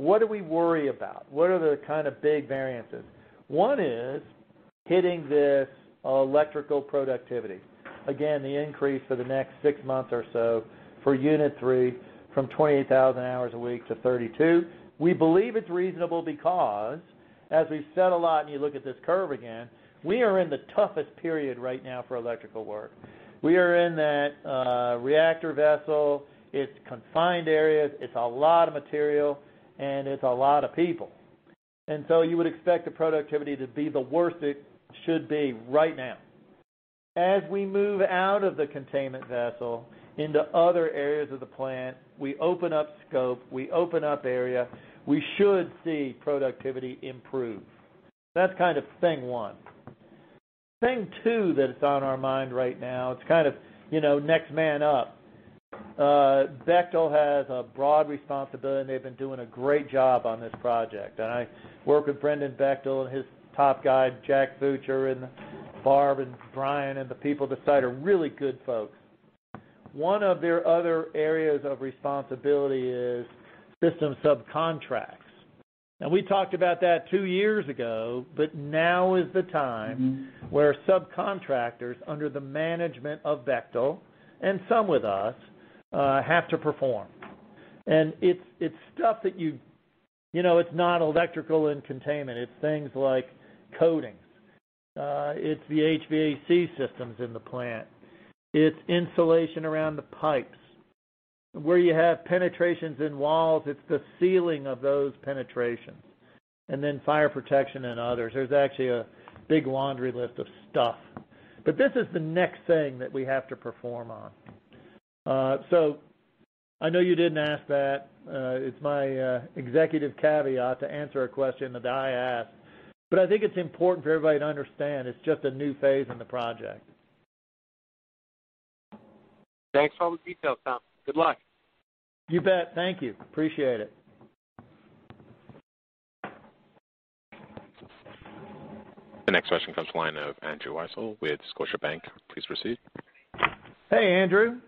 What do we worry about? What are the kind of big variances? One is hitting this electrical productivity. Again, the increase for the next six months or so for Unit 3 from 28,000 hours a week to 32,000 hours. We believe it's reasonable because, as we've said a lot, and you look at this curve again, we are in the toughest period right now for electrical work. We are in that reactor vessel. It's confined areas, it's a lot of material, and it's a lot of people. You would expect the productivity to be the worst it should be right now. As we move out of the containment vessel into other areas of the plant, we open up scope, we open up area, we should see productivity improve. That's kind of thing one. Thing two that's on our mind right now, it's kind of next man up. Bechtel has a broad responsibility, and they've been doing a great job on this project. I work with Brendan Bechtel and his top guy, Jack Futcher, and Barbara and Brian, and the people at the site are really good folks. One of their other areas of responsibility is system subcontracts. We talked about that two years ago, but now is the time where subcontractors under the management of Bechtel, and some with us, have to perform. It's stuff that It's not electrical and containment. It's things like coatings. It's the HVAC systems in the plant. It's insulation around the pipes. Where you have penetrations in walls, it's the sealing of those penetrations, then fire protection and others. There's actually a big laundry list of stuff. This is the next thing that we have to perform on. I know you didn't ask that. It's my executive caveat to answer a question that I ask. I think it's important for everybody to understand it's just a new phase in the project. Thanks for all the details, Tom. Good luck. You bet. Thank you. Appreciate it. The next question comes to the line of Andrew Weisel with Scotiabank. Please proceed. Hey, Andrew.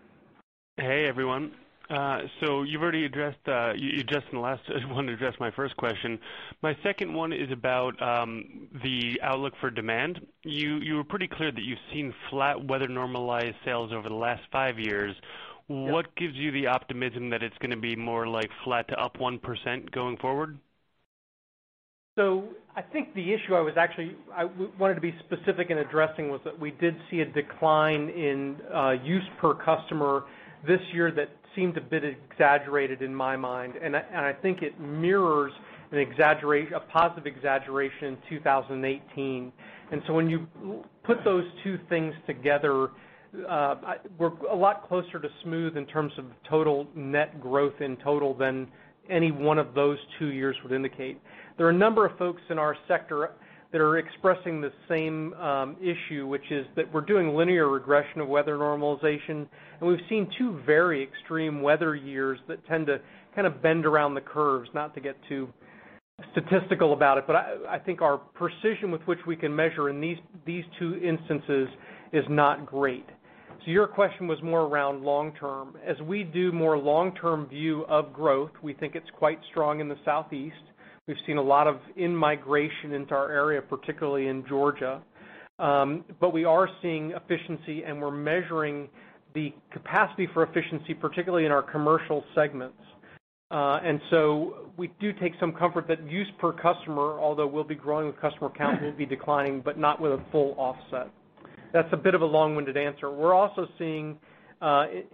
Hey, everyone. You addressed my first question in the last one. My second one is about the outlook for demand. You were pretty clear that you've seen flat weather-normalized sales over the last five years. What gives you the optimism that it's going to be more like flat to up 1% going forward? I think the issue I wanted to be specific in addressing was that we did see a decline in use per customer this year that seemed a bit exaggerated in my mind, and I think it mirrors a positive exaggeration in 2018. When you put those two things together, we're a lot closer to smooth in terms of total net growth in total than any one of those two years would indicate. There are a number of folks in our sector that are expressing the same issue, which is that we're doing linear regression of weather normalization, and we've seen two very extreme weather years that tend to kind of bend around the curves. Not to get too statistical about it, I think our precision with which we can measure in these two instances is not great. Your question was more around long-term. As we do more long-term view of growth, we think it's quite strong in the Southeast. We've seen a lot of in-migration into our area, particularly in Georgia. We are seeing efficiency, and we're measuring the capacity for efficiency, particularly in our commercial segments. We do take some comfort that use per customer, although we'll be growing with customer count, will be declining, but not with a full offset. That's a bit of a long-winded answer. We're also seeing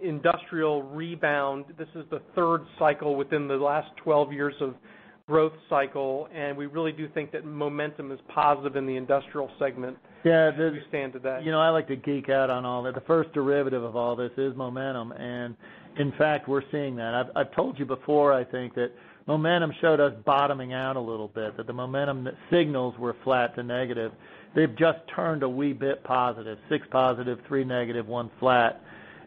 industrial rebound. This is the third cycle within the last 12 years of growth cycle, and we really do think that momentum is positive in the industrial segment. Yeah. If you stand to that. I like to geek out on all that. The first derivative of all this is momentum, and in fact, we're seeing that. I've told you before, I think, that momentum showed us bottoming out a little bit, that the momentum signals were flat to negative. They've just turned a wee bit positive, six positive, three negative, one flat.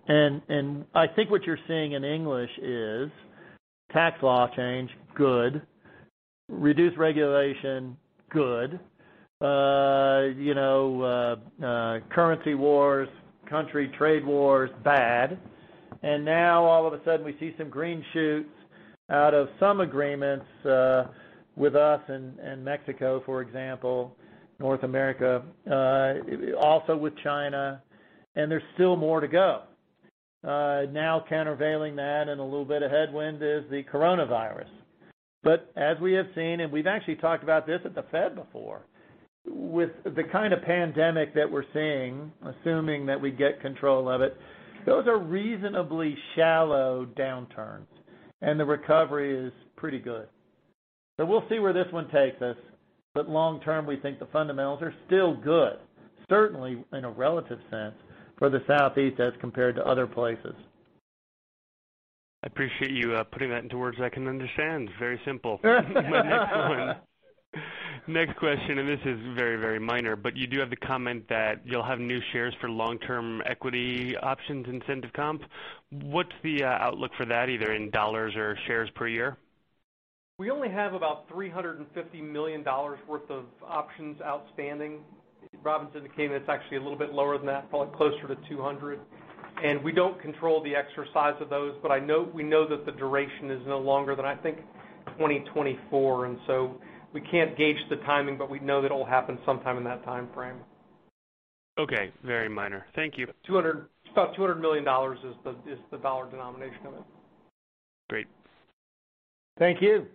I think what you're seeing in English is tax law change, good. Reduced regulation, good. Currency wars, country trade wars, bad. Now all of a sudden we see some green shoots out of some agreements with us and Mexico, for example, North America, also with China, and there's still more to go. Countervailing that and a little bit of headwind is the coronavirus. As we have seen, and we've actually talked about this at the Fed before, with the kind of pandemic that we're seeing, assuming that we get control of it, those are reasonably shallow downturns and the recovery is pretty good. We'll see where this one takes us, but long term, we think the fundamentals are still good, certainly in a relative sense for the Southeast as compared to other places. I appreciate you putting that into words I can understand. Very simple. My next one. Next question, this is very minor, but you do have the comment that you'll have new shares for long-term equity options incentive comp. What's the outlook for that, either in dollars or shares per year? We only have about $350 million worth of options outstanding. Robinson came it's actually a little bit lower than that, probably closer to $200 million. We don't control the exercise of those, but we know that the duration is no longer than I think 2024, and so we can't gauge the timing, but we know that it'll happen sometime in that timeframe. Okay. Very minor. Thank you. About $200 million is the dollar denomination of it. Great. Thank you.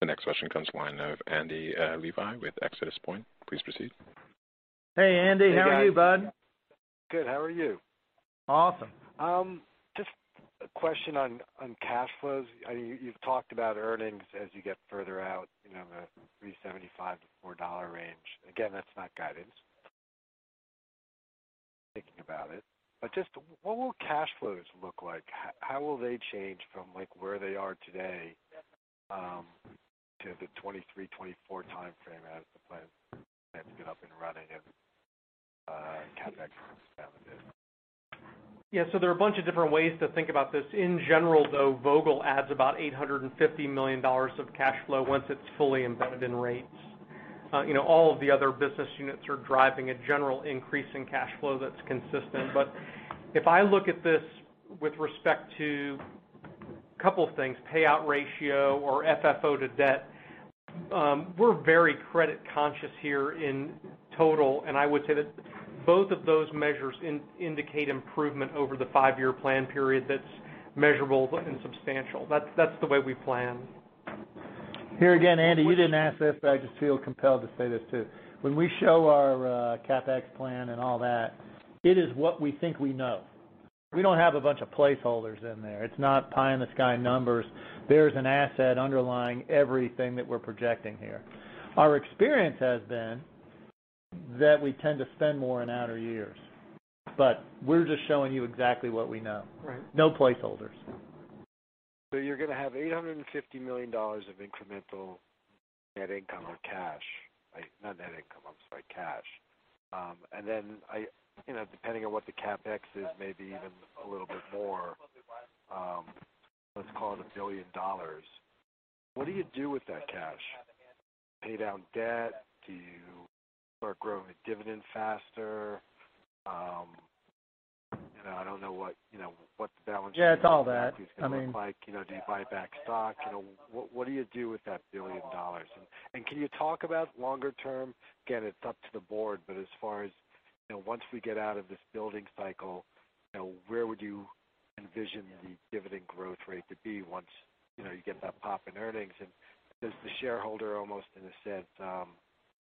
The next question comes to the line of Andy Levi with ExodusPoint. Please proceed. Hey, Andy. How are you, bud? Good. How are you? Awesome. Just a question on cash flows. You've talked about earnings as you get further out, the $3.75-$4 range. Again, that's not guidance. Thinking about it. Just what will cash flows look like? How will they change from where they are today to the 2023, 2024 timeframe as the plants get up and running and CapEx comes down a bit? There are a bunch of different ways to think about this. In general, though, Vogtle adds about $850 million of cash flow once it's fully embedded in rates. All of the other business units are driving a general increase in cash flow that's consistent. If I look at this with respect to a couple of things, payout ratio or FFO to debt, we're very credit conscious here in total, and I would say that both of those measures indicate improvement over the five-year plan period that's measurable and substantial. That's the way we plan. Here again, Andy, you didn't ask this, I just feel compelled to say this, too. When we show our CapEx plan and all that, it is what we think we know. We don't have a bunch of placeholders in there. It's not pie-in-the-sky numbers. There's an asset underlying everything that we're projecting here. Our experience has been that we tend to spend more in outer years. We're just showing you exactly what we know. Right. No placeholders. You're going to have $850 million of incremental net income or cash. Not net income, I'm sorry, cash. Depending on what the CapEx is, maybe even a little bit more. Let's call it $1 billion. What do you do with that cash? Pay down debt? Do you start growing a dividend faster? I don't know what the balance sheet- Yeah, it's all that. is going to look like. Do you buy back stock? What do you do with that $1 billion? Can you talk about longer term, get it up to the board, but as far as once we get out of this building cycle, where would you envision the dividend growth rate to be once you get that pop in earnings? Does the shareholder almost, in a sense,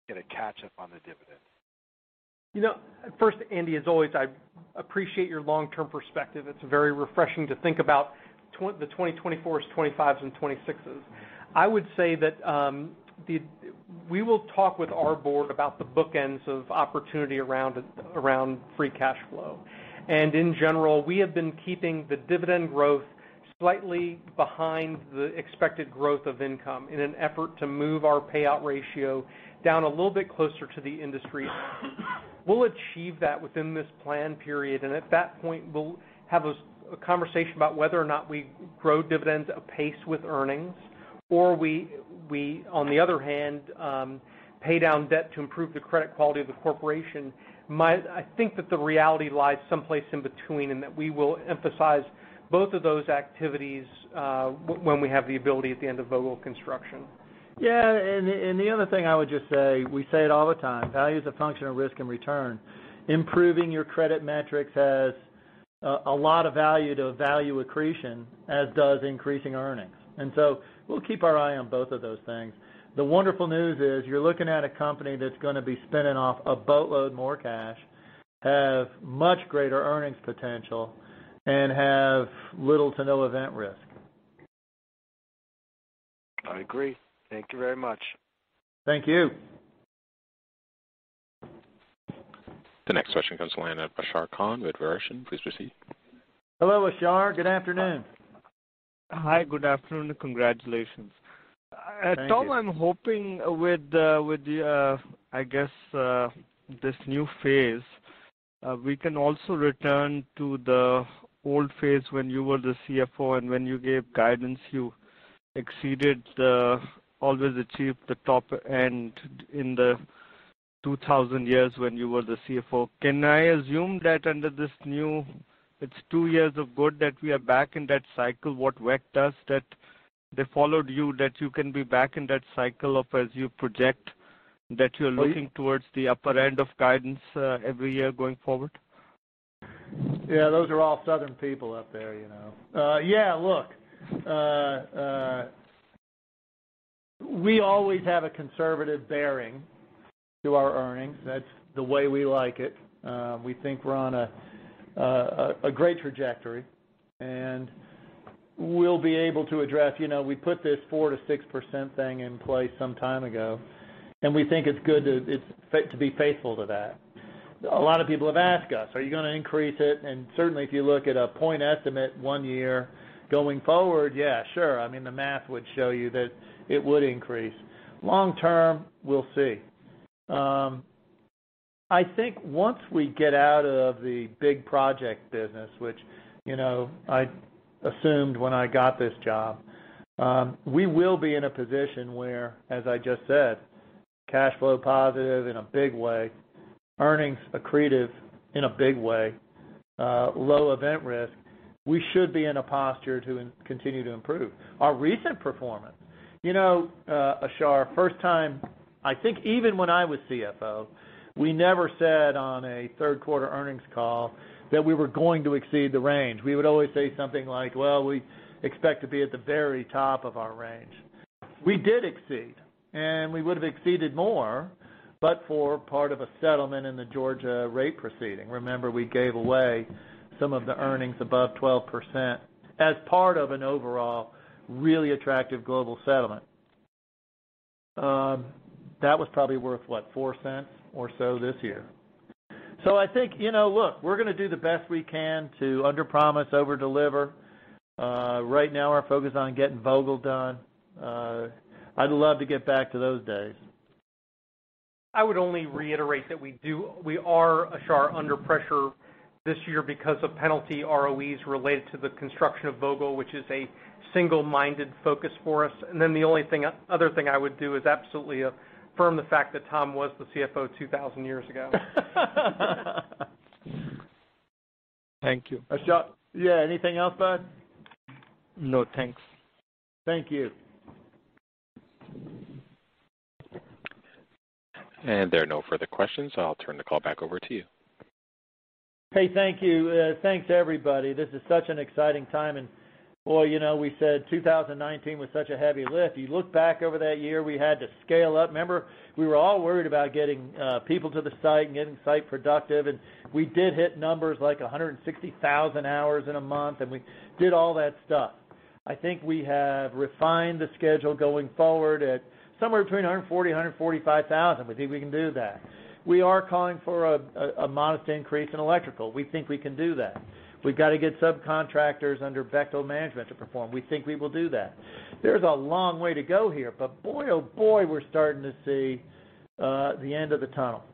get a catch up on the dividend? First, Andy, as always, I appreciate your long-term perspective. It's very refreshing to think about the 2024s, 2025s, and 2026s. I would say that we will talk with our board about the bookends of opportunity around free cash flow. In general, we have been keeping the dividend growth slightly behind the expected growth of income in an effort to move our payout ratio down a little bit closer to the industry. We'll achieve that within this plan period, and at that point, we'll have a conversation about whether or not we grow dividends apace with earnings or we, on the other hand, pay down debt to improve the credit quality of the corporation. I think that the reality lies some place in between and that we will emphasize both of those activities when we have the ability at the end of Vogtle construction. Yeah. The other thing I would just say, we say it all the time, value is a function of risk and return. Improving your credit metrics has a lot of value to a value accretion, as does increasing earnings. We'll keep our eye on both of those things. The wonderful news is you're looking at a company that's going to be spinning off a boatload more cash, have much greater earnings potential, and have little to no event risk. I agree. Thank you very much. Thank you. The next question comes to the line of Ashar Khan with Verition. Please proceed. Hello, Ashar. Good afternoon. Hi, good afternoon, and congratulations. Thank you. Tom, I'm hoping with the, I guess, this new phase, we can also return to the old phase when you were the CFO, and when you gave guidance, always achieved the top end in the 2,000 years when you were the CFO. Can I assume that under this new, it's two years of good, that we are back in that cycle, what WECC does, that they followed you, that you can be back in that cycle of as you project, that you're looking towards the upper end of guidance every year going forward? Yeah, those are all Southern people up there, you know. Yeah, look, we always have a conservative bearing to our earnings. That's the way we like it. We think we're on a great trajectory. We put this 4%-6% thing in place some time ago. We think it's good to be faithful to that. A lot of people have asked us, "Are you gonna increase it?" Certainly, if you look at a point estimate one year going forward, yeah, sure. I mean, the math would show you that it would increase. Long term, we'll see. I think once we get out of the big project business, which I assumed when I got this job, we will be in a position where, as I just said, cash flow positive in a big way, earnings accretive in a big way, low event risk. We should be in a posture to continue to improve our recent performance. Ashar, first time, I think even when I was CFO, we never said on a third quarter earnings call that we were going to exceed the range. We would always say something like, "Well, we expect to be at the very top of our range." We did exceed, and we would've exceeded more but for part of a settlement in the Georgia rate proceeding. Remember, we gave away some of the earnings above 12% as part of an overall really attractive global settlement. That was probably worth, what? $0.04 or so this year. I think, look, we're gonna do the best we can to underpromise, overdeliver. Right now our focus is on getting Vogtle done. I'd love to get back to those days. I would only reiterate that we are, Ashar, under pressure this year because of penalty ROEs related to the construction of Vogtle, which is a single-minded focus for us. Then the only other thing I would do is absolutely affirm the fact that Tom was the CFO 2,000 years ago. Thank you. Ashar. Yeah, anything else, bud? No, thanks. Thank you. There are no further questions. I'll turn the call back over to you. Hey, thank you. Thanks everybody. This is such an exciting time. Boy, we said 2019 was such a heavy lift. You look back over that year, we had to scale up. Remember, we were all worried about getting people to the site and getting site productive. We did hit numbers like 160,000 hours in a month. We did all that stuff. I think we have refined the schedule going forward at somewhere between 140,000-145,000. We think we can do that. We are calling for a modest increase in electrical. We think we can do that. We've got to get subcontractors under Bechtel management to perform. We think we will do that. There's a long way to go here. Boy, oh boy, we're starting to see the end of the tunnel.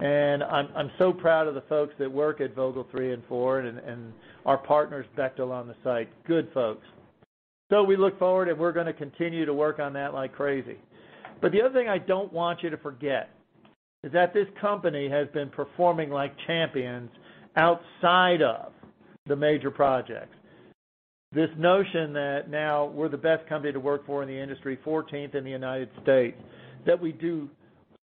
I'm so proud of the folks that work at Vogtle Unit 3 and Unit 4 and our partners Bechtel on the site. Good folks. We look forward, and we're gonna continue to work on that like crazy. The other thing I don't want you to forget is that this company has been performing like champions outside of the major projects. This notion that now we're the best company to work for in the industry, fourteenth in the U.S., that we do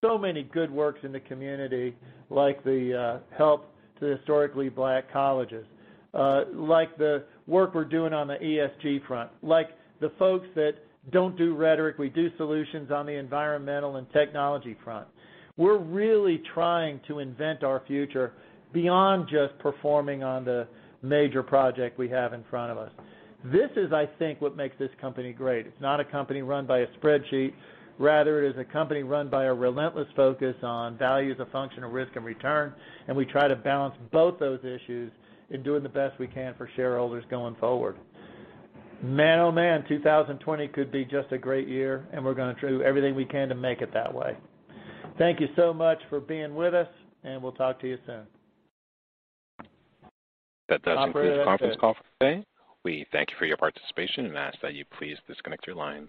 so many good works in the community, like the help to Historically Black Colleges, like the work we're doing on the ESG front, like the folks that don't do rhetoric, we do solutions on the environmental and technology front. We're really trying to invent our future beyond just performing on the major project we have in front of us. This is, I think, what makes this company great. It's not a company run by a spreadsheet. Rather, it is a company run by a relentless focus on values of functional risk and return, and we try to balance both those issues in doing the best we can for shareholders going forward. Man, oh man, 2020 could be just a great year, and we're gonna do everything we can to make it that way. Thank you so much for being with us, and we'll talk to you soon. That does conclude the conference call for today. We thank you for your participation and ask that you please disconnect your lines.